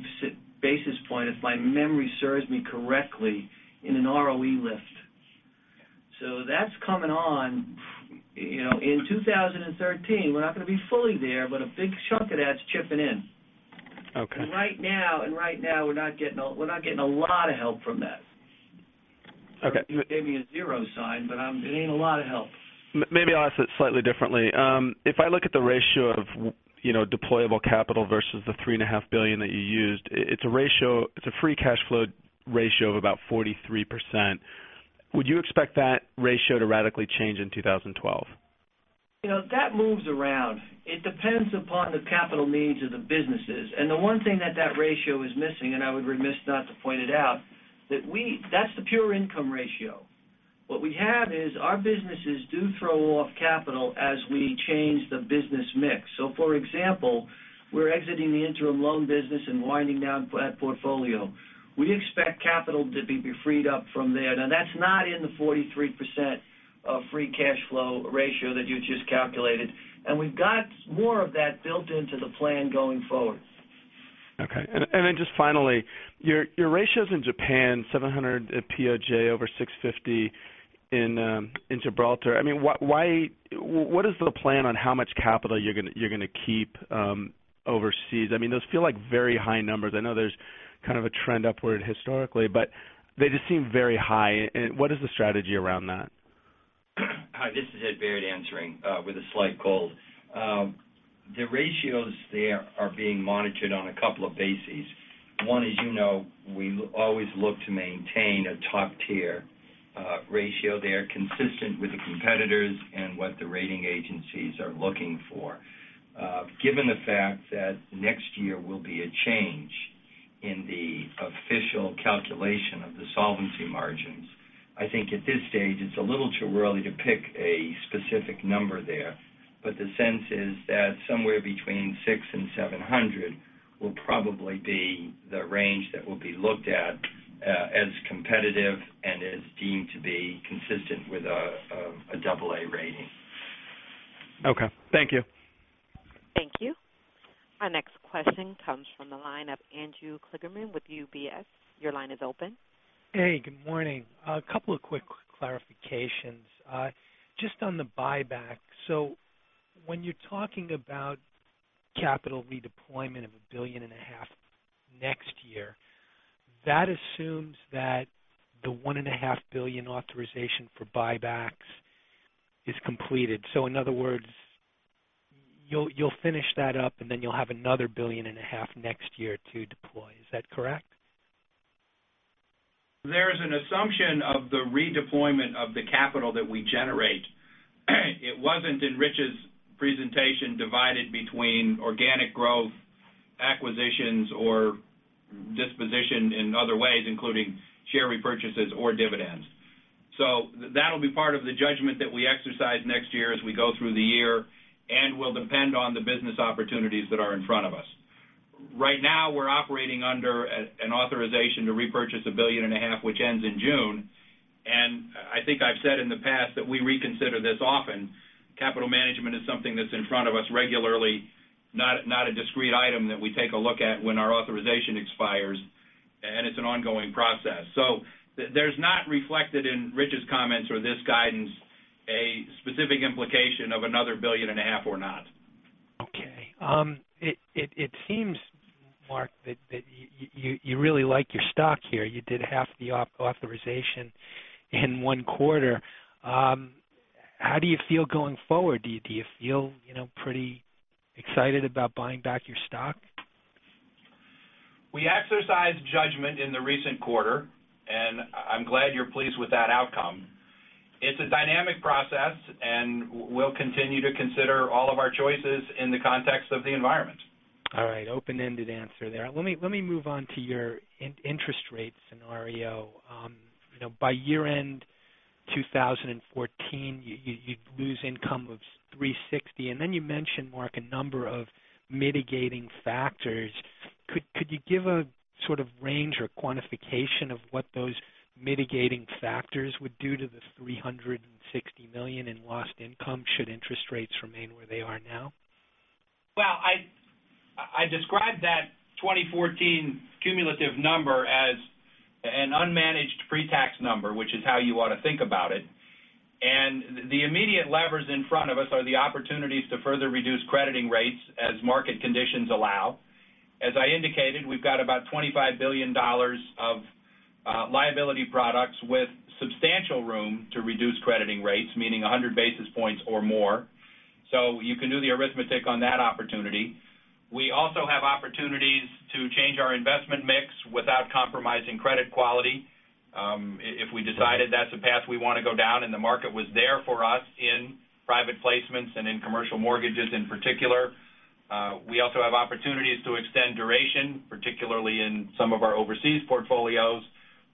basis point, if my memory serves me correctly, in an ROE lift. That's coming on in 2013. We're not going to be fully there, a big chunk of that's chipping in. Okay. Right now, we're not getting a lot of help from that. Okay. You gave me a zero sign, it ain't a lot of help. Maybe I'll ask it slightly differently. If I look at the ratio of deployable capital versus the $3.5 billion that you used, it's a free cash flow ratio of about 43%. Would you expect that ratio to radically change in 2012? That moves around. It depends upon the capital needs of the businesses. The one thing that that ratio is missing, and I would remiss not to point it out, that's the pure income ratio. What we have is our businesses do throw off capital as we change the business mix. For example, we're exiting the interim loan business and winding down that portfolio. We expect capital to be freed up from there. That's not in the 43% of free cash flow ratio that you just calculated, and we've got more of that built into the plan going forward. Okay. Just finally, your ratios in Japan, 700 at POJ over 650 in Gibraltar. What is the plan on how much capital you're going to keep overseas? Those feel like very high numbers. I know there's kind of a trend upward historically, but they just seem very high. What is the strategy around that? Hi, this is Ed Baird answering with a slight cold. The ratios there are being monitored on a couple of bases. One, as you know, we always look to maintain a top-tier ratio there consistent with the competitors and what the rating agencies are looking for. Given the fact that next year will be a change in the official calculation of the solvency margins, I think at this stage it's a little too early to pick a specific number there. The sense is that somewhere between 600 and 700 will probably be the range that will be looked at as competitive and is deemed to be consistent with an AA rating. Okay. Thank you. Thank you. Our next question comes from the line of Andrew Kligerman with UBS. Your line is open. Hey, good morning. A couple of quick clarifications. Just on the buyback. When you're talking about capital redeployment of $1.5 billion next year, that assumes that the $1.5 billion authorization for buybacks is completed. In other words, you'll finish that up and then you'll have another $1.5 billion next year to deploy. Is that correct? There's an assumption of the redeployment of the capital that we generate. It wasn't in Rich's presentation divided between organic growth, acquisitions, or disposition in other ways, including share repurchases or dividends. That'll be part of the judgment that we exercise next year as we go through the year and will depend on the business opportunities that are in front of us. Right now, we're operating under an authorization to repurchase $1.5 billion, which ends in June. I think I've said in the past that we reconsider this often. Capital management is something that's in front of us regularly, not a discrete item that we take a look at when our authorization expires, and it's an ongoing process. There's not reflected in Rich's comments or this guidance, a specific implication of another $1.5 billion or not. Okay. It seems, Mark, that you really like your stock here. You did half the authorization in one quarter. How do you feel going forward? Do you feel pretty excited about buying back your stock? We exercise judgment in the recent quarter. I'm glad you're pleased with that outcome. It's a dynamic process. We'll continue to consider all of our choices in the context of the environment. All right. Open-ended answer there. Let me move on to your interest rate scenario. By year-end 2014, you'd lose income of $360. Then you mentioned, Mark, a number of mitigating factors. Could you give a sort of range or quantification of what those mitigating factors would do to the $360 million in lost income should interest rates remain where they are now? Well, I described that 2014 cumulative number as an unmanaged pre-tax number, which is how you ought to think about it. The immediate levers in front of us are the opportunities to further reduce crediting rates as market conditions allow. As I indicated, we've got about $25 billion of liability products with substantial room to reduce crediting rates, meaning 100 basis points or more. You can do the arithmetic on that opportunity. We also have opportunities to change our investment mix without compromising credit quality. If we decided that's the path we want to go down and the market was there for us in private placements and in commercial mortgages in particular. We also have opportunities to extend duration, particularly in some of our overseas portfolios,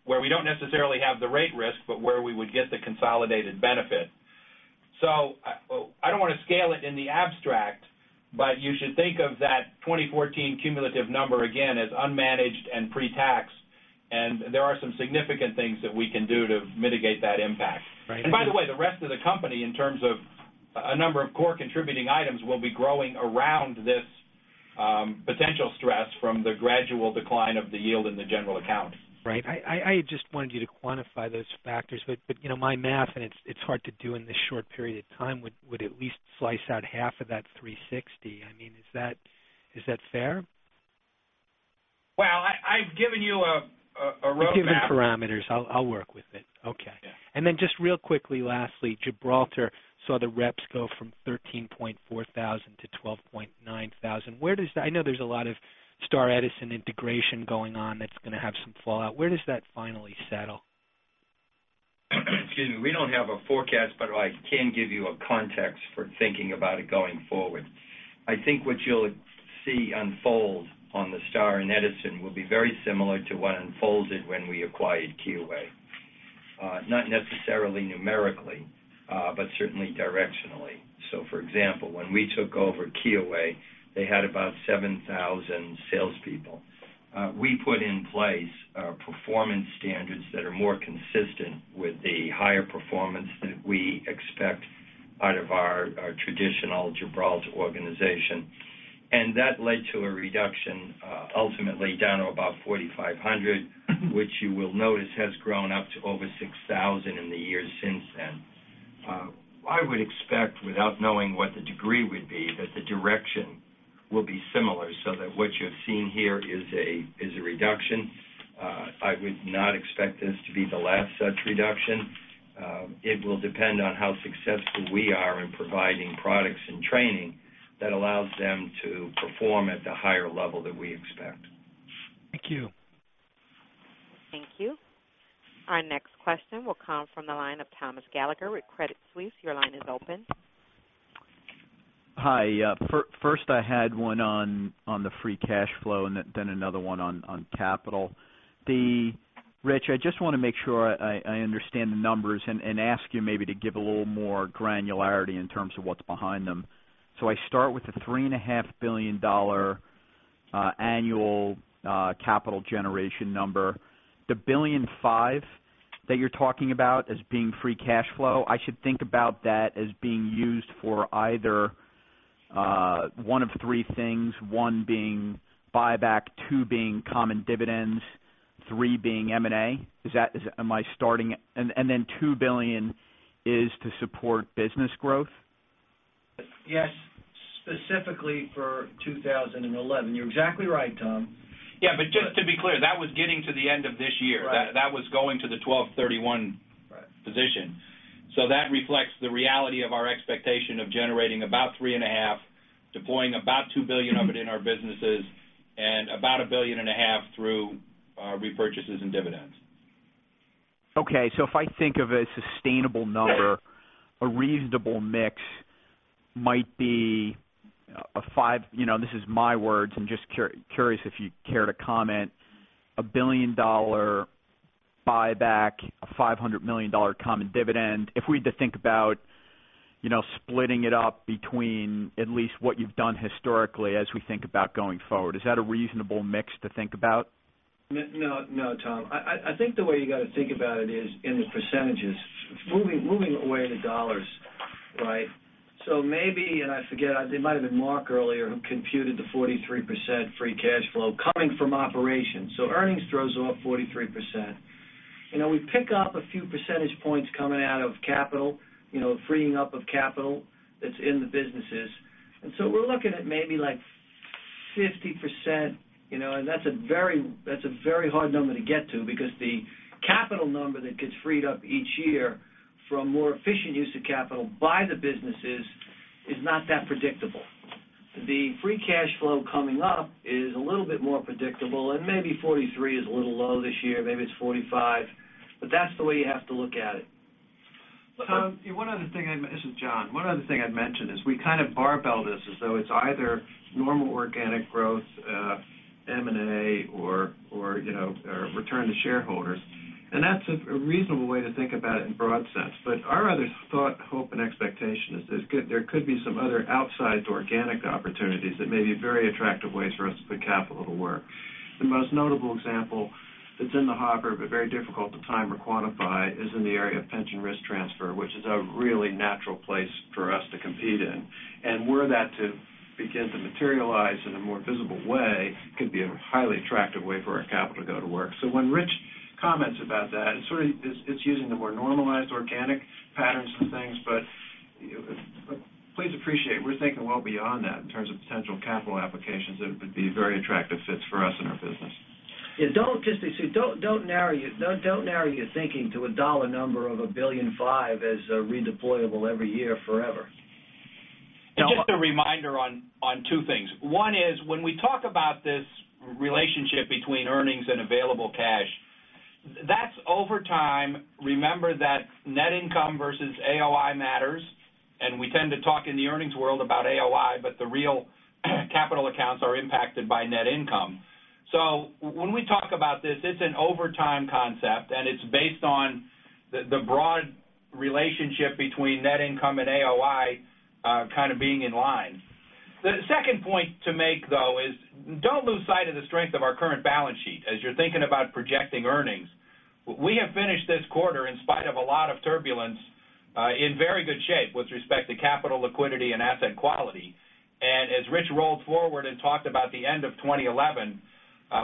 where we don't necessarily have the rate risk, but where we would get the consolidated benefit. I don't want to scale it in the abstract, but you should think of that 2014 cumulative number again as unmanaged and pre-tax. There are some significant things that we can do to mitigate that impact. Right. By the way, the rest of the company, in terms of a number of core contributing items, will be growing around this potential stress from the gradual decline of the yield in the general account. Right. I just wanted you to quantify those factors, but my math, and it's hard to do in this short period of time, would at least slice out half of that $360. Is that fair? Well, I've given you a roadmap. You've given parameters. I'll work with it. Okay. Yeah. Then just real quickly, lastly, Gibraltar saw the reps go from 13,400 to 12,900. I know there's a lot of Star Edison integration going on that's going to have some fallout. Where does that finally settle? Excuse me. We don't have a forecast, but I can give you a context for thinking about it going forward. I think what you'll see unfold on the Star and Edison will be very similar to what unfolded when we acquired Kyoei. Not necessarily numerically, but certainly directionally. For example, when we took over Kyoei, they had about 7,000 salespeople. We put in place performance standards that are more consistent with the higher performance that we expect out of our traditional Gibraltar organization. That led to a reduction, ultimately down to about 4,500, which you will notice has grown up to over 6,000 in the years since then. I would expect, without knowing what the degree would be, that the direction will be similar, so that what you're seeing here is a reduction. I would not expect this to be the last such reduction. It will depend on how successful we are in providing products and training that allows them to perform at the higher level that we expect. Thank you. Thank you. Our next question will come from the line of Thomas Gallagher with Credit Suisse. Your line is open. Hi. First I had one on the free cash flow, and then another one on capital. Rich, I just want to make sure I understand the numbers and ask you maybe to give a little more granularity in terms of what's behind them. I start with the $3.5 billion annual capital generation number. The $1.5 billion that you're talking about as being free cash flow, I should think about that as being used for either one of three things. One being buyback, two being common dividends, three being M&A. $2 billion is to support business growth? Yes, specifically for 2011. You're exactly right, Tom. Yeah, just to be clear, that was getting to the end of this year. Right. That was going to the 12/31 position. That reflects the reality of our expectation of generating about three and a half, deploying about $2 billion of it in our businesses, and about a billion and a half through repurchases and dividends. Okay. If I think of a sustainable number, a reasonable mix might be, this is my words, I'm just curious if you care to comment, a billion-dollar buyback, a $500 million common dividend. If we had to think about splitting it up between at least what you've done historically as we think about going forward, is that a reasonable mix to think about? No, Tom. I think the way you got to think about it is in the percentages. Moving away the dollars. Maybe, and I forget, it might've been Mark earlier who computed the 43% free cash flow coming from operations. Earnings throws off 43%. We pick up a few percentage points coming out of capital, freeing up of capital that's in the businesses. We're looking at maybe 50%, and that's a very hard number to get to because the capital number that gets freed up each year from more efficient use of capital by the businesses is not that predictable. The free cash flow coming up is a little bit more predictable, and maybe 43 is a little low this year. Maybe it's 45. That's the way you have to look at it. Tom, this is John. One other thing I'd mention is we kind of barbell this as though it's either normal organic growth, M&A, or return to shareholders. That's a reasonable way to think about it in broad sense. Our other thought, hope, and expectation is there could be some other outside organic opportunities that may be very attractive ways for us to put capital to work. The most notable example that's in the hopper but very difficult to time or quantify is in the area of pension risk transfer, which is a really natural place for us to compete in. Were that to begin to materialize in a more visible way, could be a highly attractive way for our capital to go to work. When Rich comments about that, it's using the more normalized organic patterns and things, but please appreciate we're thinking well beyond that in terms of potential capital applications that would be very attractive fits for us in our business. Yeah. Don't narrow your thinking to a dollar number of $1.5 billion as redeployable every year forever. Just a reminder on two things. One is when we talk about this relationship between earnings and available cash, that's over time. Remember that net income versus AOI matters, and we tend to talk in the earnings world about AOI, but the real capital accounts are impacted by net income. When we talk about this, it's an over time concept, and it's based on the broad relationship between net income and AOI kind of being in line. The second point to make, though, is don't lose sight of the strength of our current balance sheet as you're thinking about projecting earnings. We have finished this quarter in spite of a lot of turbulence, in very good shape with respect to capital liquidity and asset quality. As Rich rolled forward and talked about the end of 2011,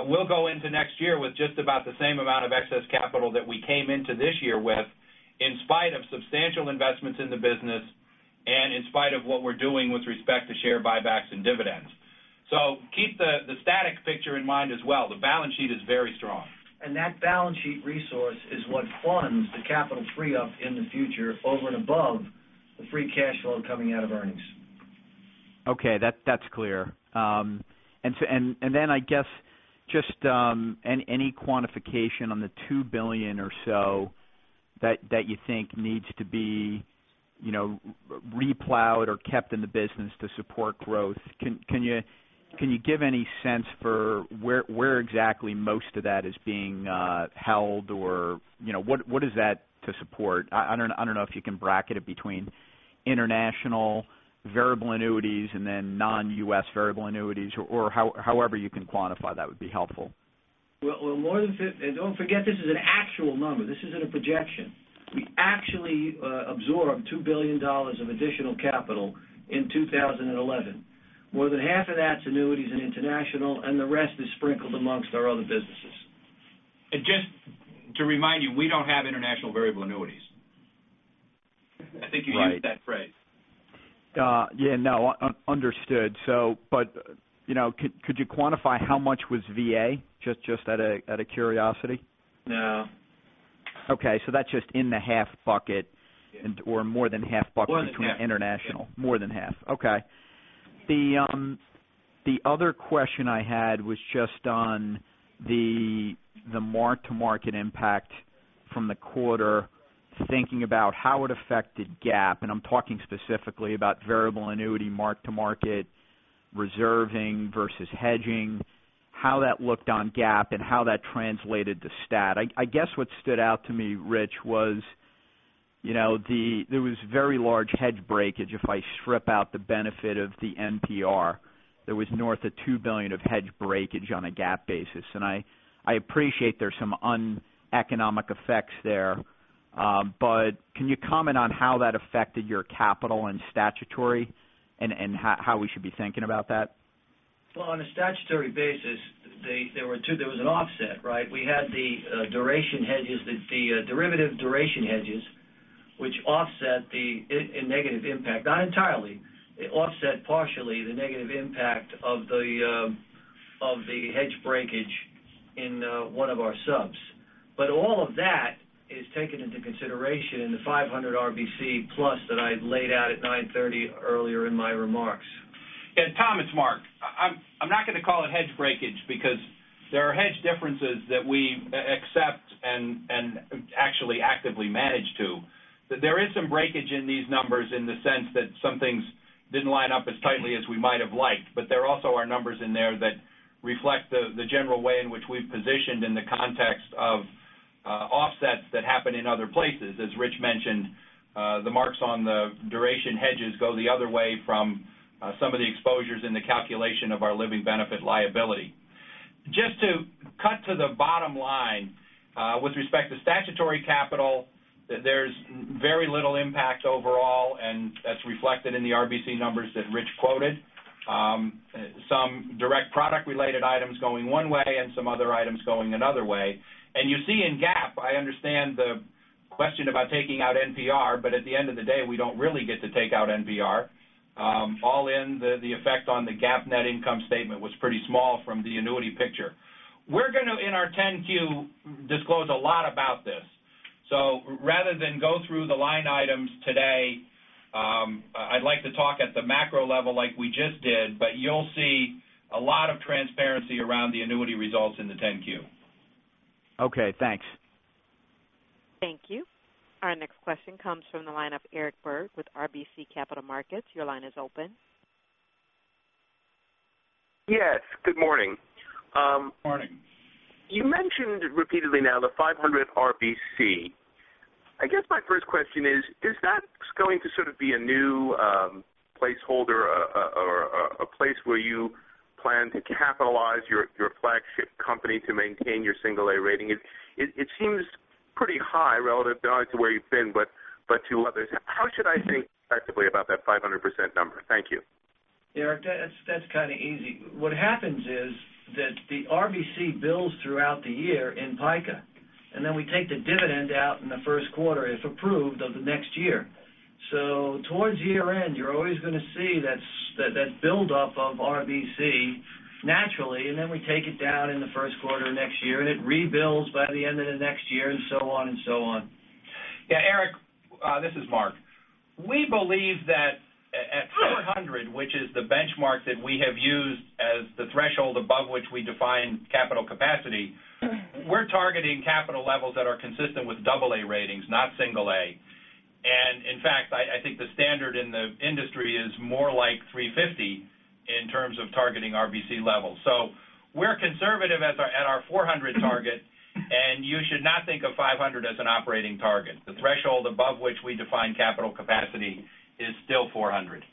we'll go into next year with just about the same amount of excess capital that we came into this year with in spite of substantial investments in the business and in spite of what we're doing with respect to share buybacks and dividends. Keep the static picture in mind as well. The balance sheet is very strong. That balance sheet resource is what funds the capital free-up in the future over and above the free cash flow coming out of earnings. Okay. That's clear. I guess, just any quantification on the $2 billion or so that you think needs to be re-plowed or kept in the business to support growth. Can you give any sense for where exactly most of that is being held or what is that to support? I don't know if you can bracket it between international variable annuities and then non-U.S. variable annuities or however you can quantify that would be helpful. Well, more than f-- and don't forget, this is an actual number. This isn't a projection. We actually absorbed $2 billion of additional capital in 2011. More than half of that's annuities and international, and the rest is sprinkled amongst our other businesses. Just to remind you, we don't have international variable annuities. Right. I think you used that phrase. Yeah. No, understood. Could you quantify how much was VA, just out of curiosity? No. Okay. That's just in the half bucket or more than half bucket. More than half between international. More than half. Okay. The other question I had was just on the mark-to-market impact from the quarter, thinking about how it affected GAAP, and I'm talking specifically about variable annuity mark-to-market, reserving versus hedging, how that looked on GAAP, and how that translated to stat. I guess what stood out to me, Rich, was there was very large hedge breakage if I strip out the benefit of the NPR. There was north of $2 billion of hedge breakage on a GAAP basis. I appreciate there's some uneconomic effects there, but can you comment on how that affected your capital and statutory and how we should be thinking about that? Well, on a statutory basis, there was an offset, right? We had the derivative duration hedges, which offset the negative impact, not entirely. It offset partially the negative impact of the hedge breakage in one of our subs. All of that is taken into consideration in the 500 RBC plus that I laid out at 9:30 earlier in my remarks. Yeah, Tom, it's Mark. I'm not going to call it hedge breakage because there are hedge differences that we accept and actually actively manage to. There is some breakage in these numbers in the sense that some things didn't line up as tightly as we might have liked, but there also are numbers in there that reflect the general way in which we've positioned in the context of offsets that happen in other places. As Rich mentioned, the marks on the duration hedges go the other way from some of the exposures in the calculation of our living benefit liability. Just to cut to the bottom line, with respect to statutory capital, there's very little impact overall, and that's reflected in the RBC numbers that Rich quoted. Some direct product-related items going one way and some other items going another way. You see in GAAP, I understand the question about taking out NPR, but at the end of the day, we don't really get to take out NPR. All in the effect on the GAAP net income statement was pretty small from the annuity picture. We're going to, in our 10-Q, disclose a lot about this. Rather than go through the line items today, I'd like to talk at the macro level like we just did, but you'll see a lot of transparency around the annuity results in the 10-Q. Okay, thanks. Thank you. Our next question comes from the line of Eric Berg with RBC Capital Markets. Your line is open. Yes, good morning. Morning. You mentioned repeatedly now the 500% RBC. I guess my first question is that going to sort of be a new placeholder or a place where you plan to capitalize your flagship company to maintain your Single A rating? It seems pretty high relative not to where you've been, but to others. How should I think effectively about that 500% number? Thank you. Eric, that's kind of easy. What happens is that the RBC builds throughout the year in PICA, then we take the dividend out in the first quarter, if approved, of the next year. Towards year-end, you're always going to see that buildup of RBC naturally, then we take it down in the first quarter next year, and it rebuilds by the end of the next year, and so on. Eric, this is Mark. We believe that at 400, which is the benchmark that we have used as the threshold above which we define capital capacity, we're targeting capital levels that are consistent with AA ratings, not Single A. In fact, I think the standard in the industry is more like 350 in terms of targeting RBC levels. We're conservative at our 400 target. You should not think of 500 as an operating target. The threshold above which we define capital capacity is still 400.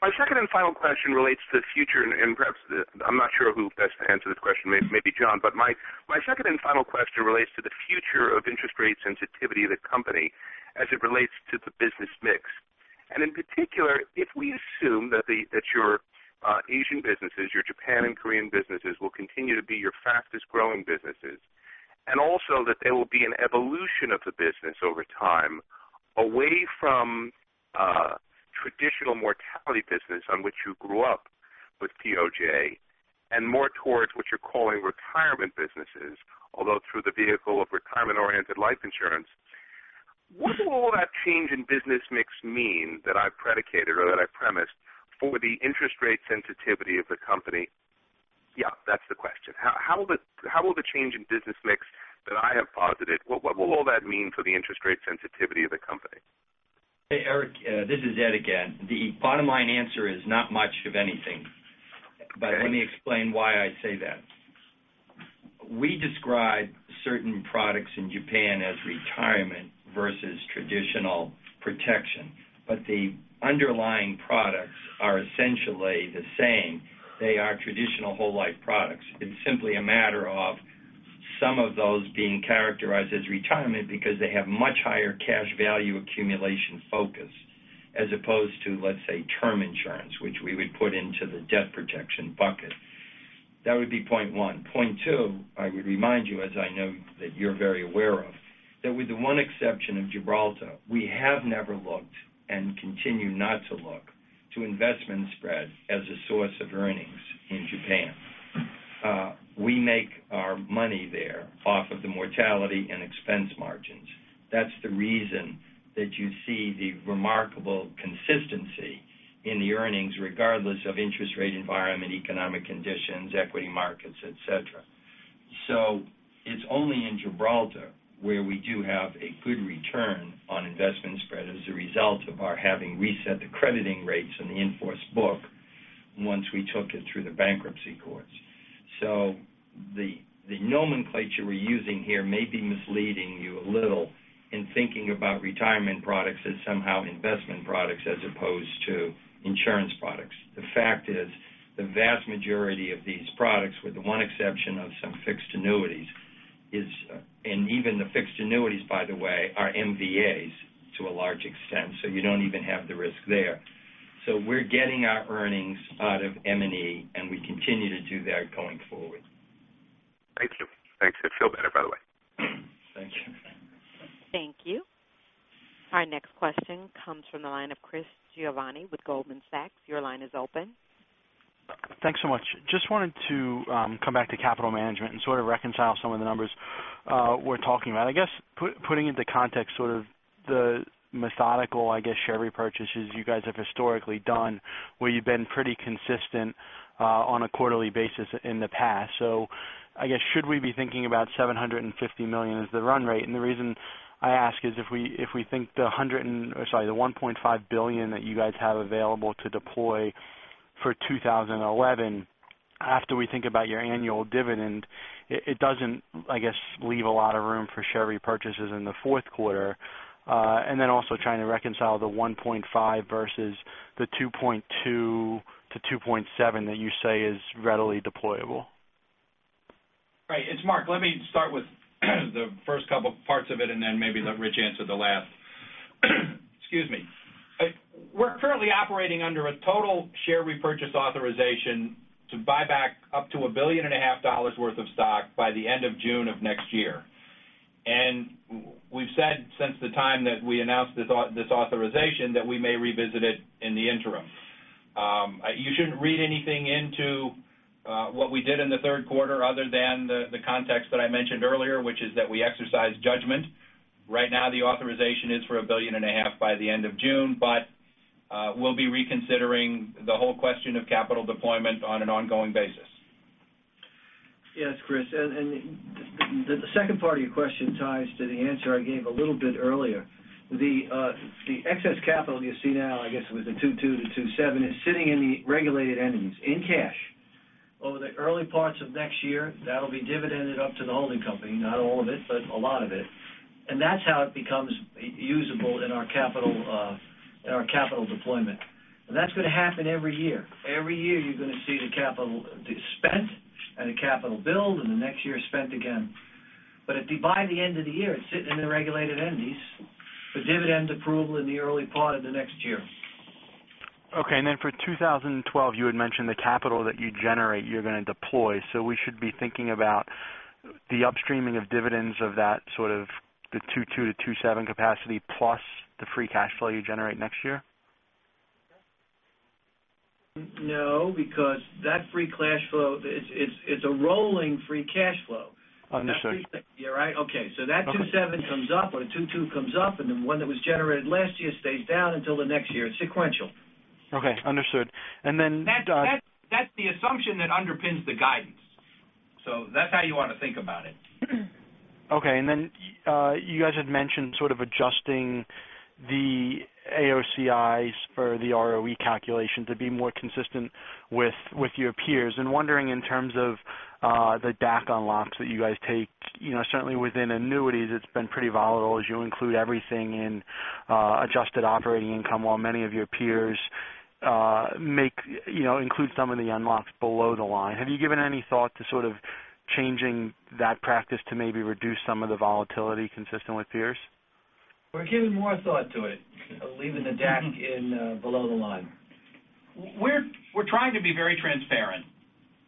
My second and final question relates to the future, and perhaps I'm not sure who best to answer this question, maybe John. My second and final question relates to the future of interest rate sensitivity of the company as it relates to the business mix. In particular, if we assume that your Asian businesses, your Japan and Korean businesses, will continue to be your fastest-growing businesses, and also that there will be an evolution of the business over time, away from traditional mortality business on which you grew up with POJ, and more towards what you're calling retirement businesses, although through the vehicle of retirement-oriented life insurance. What will that change in business mix mean that I've predicated or that I've premised for the interest rate sensitivity of the company? That's the question. How will the change in business mix that I have posited, what will all that mean for the interest rate sensitivity of the company? Hey, Eric, this is Ed again. The bottom line answer is not much of anything. Okay. Let me explain why I say that. We describe certain products in Japan as retirement versus traditional protection, but the underlying products are essentially the same. They are traditional whole life products. It's simply a matter of some of those being characterized as retirement because they have much higher cash value accumulation focus as opposed to, let's say, term life insurance, which we would put into the death protection bucket. That would be point one. Point two, I would remind you, as I know that you're very aware of, that with the one exception of Gibraltar, we have never looked and continue not to look to investment spread as a source of earnings in Japan. We make our money there off of the mortality and expense margins. That's the reason that you see the remarkable consistency in the earnings, regardless of interest rate environment, economic conditions, equity markets, et cetera. It's only in Gibraltar where we do have a good return on investment spread as a result of our having reset the crediting rates in the in-force book once we took it through the bankruptcy courts. The nomenclature we're using here may be misleading you a little in thinking about retirement products as somehow investment products as opposed to insurance products. The fact is, the vast majority of these products, with the one exception of some fixed annuities, and even the fixed annuities, by the way, are MVAs to a large extent, so you don't even have the risk there. We're getting our earnings out of M&E, and we continue to do that going forward. Thank you. I feel better, by the way. Thank you. Thank you. Our next question comes from the line of Chris Giovanni with Goldman Sachs. Your line is open. Thanks so much. Just wanted to come back to capital management and sort of reconcile some of the numbers we're talking about. I guess putting into context sort of the methodical, I guess, share repurchases you guys have historically done, where you've been pretty consistent on a quarterly basis in the past. I guess, should we be thinking about $750 million as the run rate? The reason I ask is if we think the $1.5 billion that you guys have available to deploy for 2011, after we think about your annual dividend, it doesn't, I guess, leave a lot of room for share repurchases in the fourth quarter. Then also trying to reconcile the $1.5 billion versus the $2.2 billion-$2.7 billion that you say is readily deployable. Right. It's Mark. Let me start with the first couple parts of it. Then maybe let Rich answer the last. Excuse me. We're currently operating under a total share repurchase authorization to buy back up to $1.5 billion worth of stock by the end of June of next year. We've said since the time that we announced this authorization that we may revisit it in the interim. You shouldn't read anything into what we did in the third quarter other than the context that I mentioned earlier, which is that we exercise judgment. Right now, the authorization is for $1.5 billion by the end of June. We'll be reconsidering the whole question of capital deployment on an ongoing basis. Yes, Chris, the second part of your question ties to the answer I gave a little bit earlier. The excess capital you see now, I guess it was the $2.2-$2.7, is sitting in the regulated entities in cash. Over the early parts of next year, that'll be dividended up to the holding company, not all of it, but a lot of it. That's how it becomes usable in our capital deployment. That's going to happen every year. Every year, you're going to see the capital spent and the capital build. The next year spent again. By the end of the year, it's sitting in the regulated entities for dividends approval in the early part of the next year. Okay, for 2012, you had mentioned the capital that you generate, you're going to deploy. We should be thinking about the upstreaming of dividends of that sort of the $2.2-$2.7 capacity plus the free cash flow you generate next year? No, because that free cash flow is a rolling free cash flow. Understood. Yeah, right. Okay. Okay. That 2.7 comes up or the 2.2 comes up, and then one that was generated last year stays down until the next year. It's sequential. Okay, understood. That's the assumption that underpins the guidance. That's how you want to think about it. Okay. Then you guys had mentioned sort of adjusting the AOCIs for the ROE calculation to be more consistent with your peers. I'm wondering in terms of the DAC unlocks that you guys take, certainly within annuities it's been pretty volatile as you include everything in adjusted operating income while many of your peers include some of the unlocks below the line. Have you given any thought to sort of changing that practice to maybe reduce some of the volatility consistent with peers? We're giving more thought to it, leaving the DAC below the line. We're trying to be very transparent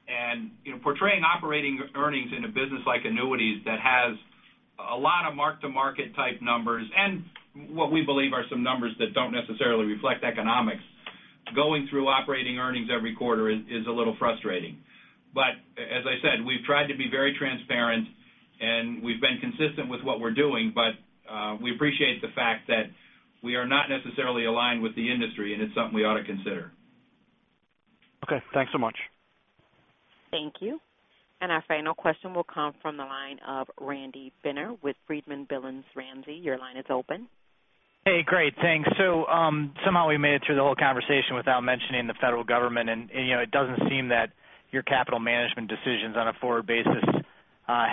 and portraying operating earnings in a business like annuities that has a lot of mark-to-market type numbers and what we believe are some numbers that don't necessarily reflect economics. Going through operating earnings every quarter is a little frustrating. As I said, we've tried to be very transparent and we've been consistent with what we're doing. We appreciate the fact that we are not necessarily aligned with the industry, and it's something we ought to consider. Okay, thanks so much. Thank you. Our final question will come from the line of Randy Binner with Friedman, Billings, Ramsey. Your line is open. Hey, great, thanks. Somehow we made it through the whole conversation without mentioning the federal government, it doesn't seem that your capital management decisions on a forward basis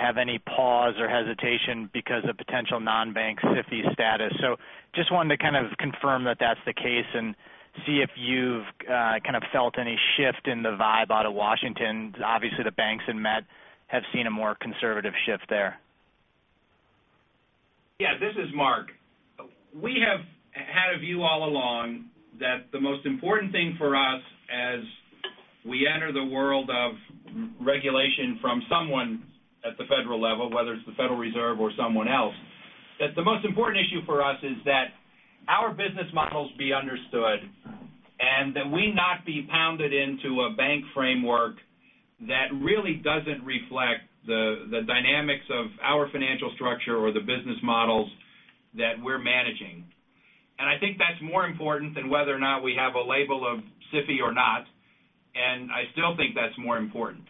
have any pause or hesitation because of potential non-bank SIFI status. Just wanted to kind of confirm that that's the case and see if you've kind of felt any shift in the vibe out of Washington. Obviously, the banks and MetLife have seen a more conservative shift there. This is Mark. We have had a view all along that the most important thing for us as we enter the world of regulation from someone at the federal level, whether it's the Federal Reserve or someone else, that the most important issue for us is that our business models be understood and that we not be pounded into a bank framework that really doesn't reflect the dynamics of our financial structure or the business models that we're managing. I think that's more important than whether or not we have a label of SIFI or not, I still think that's more important.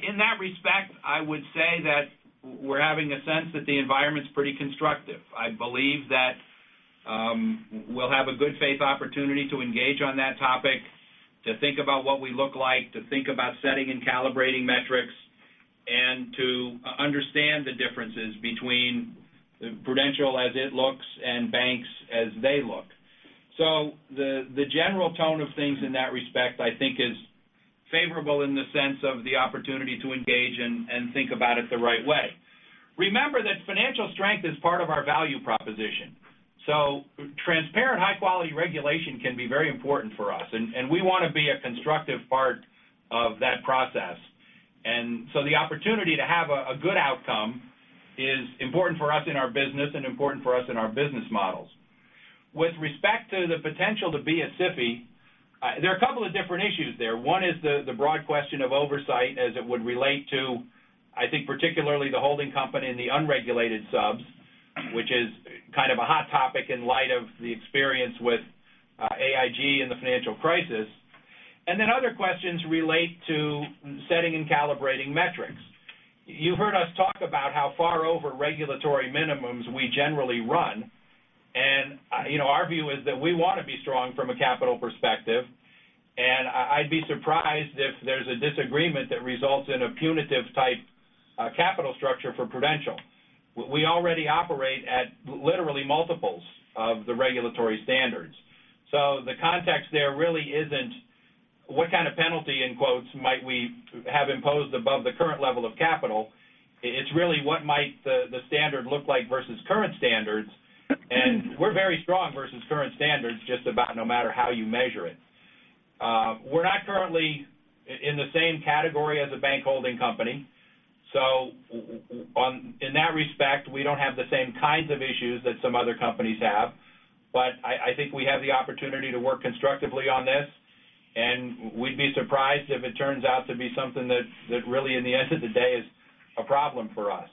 In that respect, I would say that we're having a sense that the environment's pretty constructive. I believe that we'll have a good faith opportunity to engage on that topic, to think about what we look like, to think about setting and calibrating metrics, to understand the differences between Prudential as it looks and banks as they look. The general tone of things in that respect, I think is favorable in the sense of the opportunity to engage and think about it the right way. Remember that financial strength is part of our value proposition, transparent, high-quality regulation can be very important for us, we want to be a constructive part of that process. The opportunity to have a good outcome is important for us in our business and important for us in our business models. With respect to the potential to be a SIFI, there are a couple of different issues there. One is the broad question of oversight as it would relate to, I mean, particularly the holding company and the unregulated subs, which is kind of a hot topic in light of the experience with AIG and the financial crisis. Other questions relate to setting and calibrating metrics. You heard us talk about how far over regulatory minimums we generally run, and our view is that we want to be strong from a capital perspective, and I'd be surprised if there's a disagreement that results in a punitive type capital structure for Prudential. We already operate at literally multiples of the regulatory standards. The context there really isn't what kind of penalty, in quotes, might we have imposed above the current level of capital. It's really what might the standard look like versus current standards, and we're very strong versus current standards just about no matter how you measure it. We're not currently in the same category as a bank holding company. In that respect, we don't have the same kinds of issues that some other companies have. I think we have the opportunity to work constructively on this, and we'd be surprised if it turns out to be something that really, in the end of the day, is a problem for us.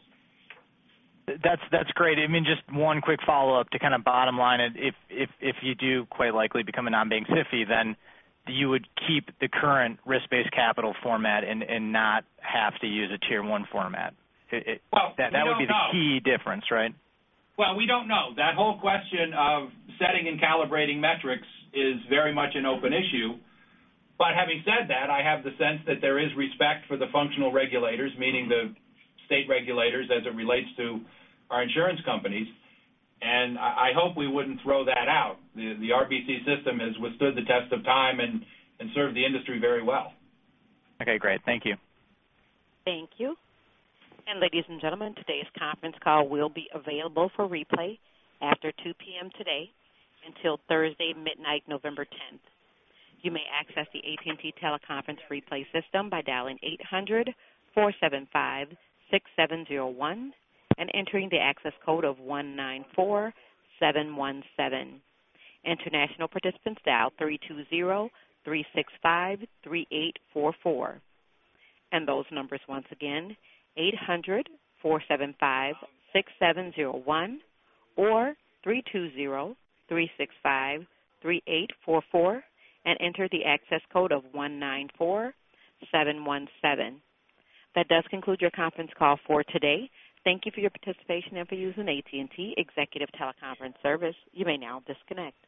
That's great. I mean, just one quick follow-up to kind of bottom line it. If you do quite likely become a non-bank SIFI, you would keep the current risk-based capital format and not have to use a tier 1 format. Well, we don't know. That would be the key difference, right? Well, we don't know. That whole question of setting and calibrating metrics is very much an open issue. Having said that, I have the sense that there is respect for the functional regulators, meaning the state regulators as it relates to our insurance companies, I hope we wouldn't throw that out. The RBC system has withstood the test of time and served the industry very well. Okay, great. Thank you. Thank you. Ladies and gentlemen, today's conference call will be available for replay after 2:00 P.M. today until Thursday, midnight, November 10th. You may access the AT&T teleconference replay system by dialing 800-475-6701 and entering the access code of 194717. International participants dial 320-365-3844. Those numbers once again, 800-475-6701 or 320-365-3844, and enter the access code of 194717. That does conclude your conference call for today. Thank you for your participation and for using AT&T executive teleconference service. You may now disconnect.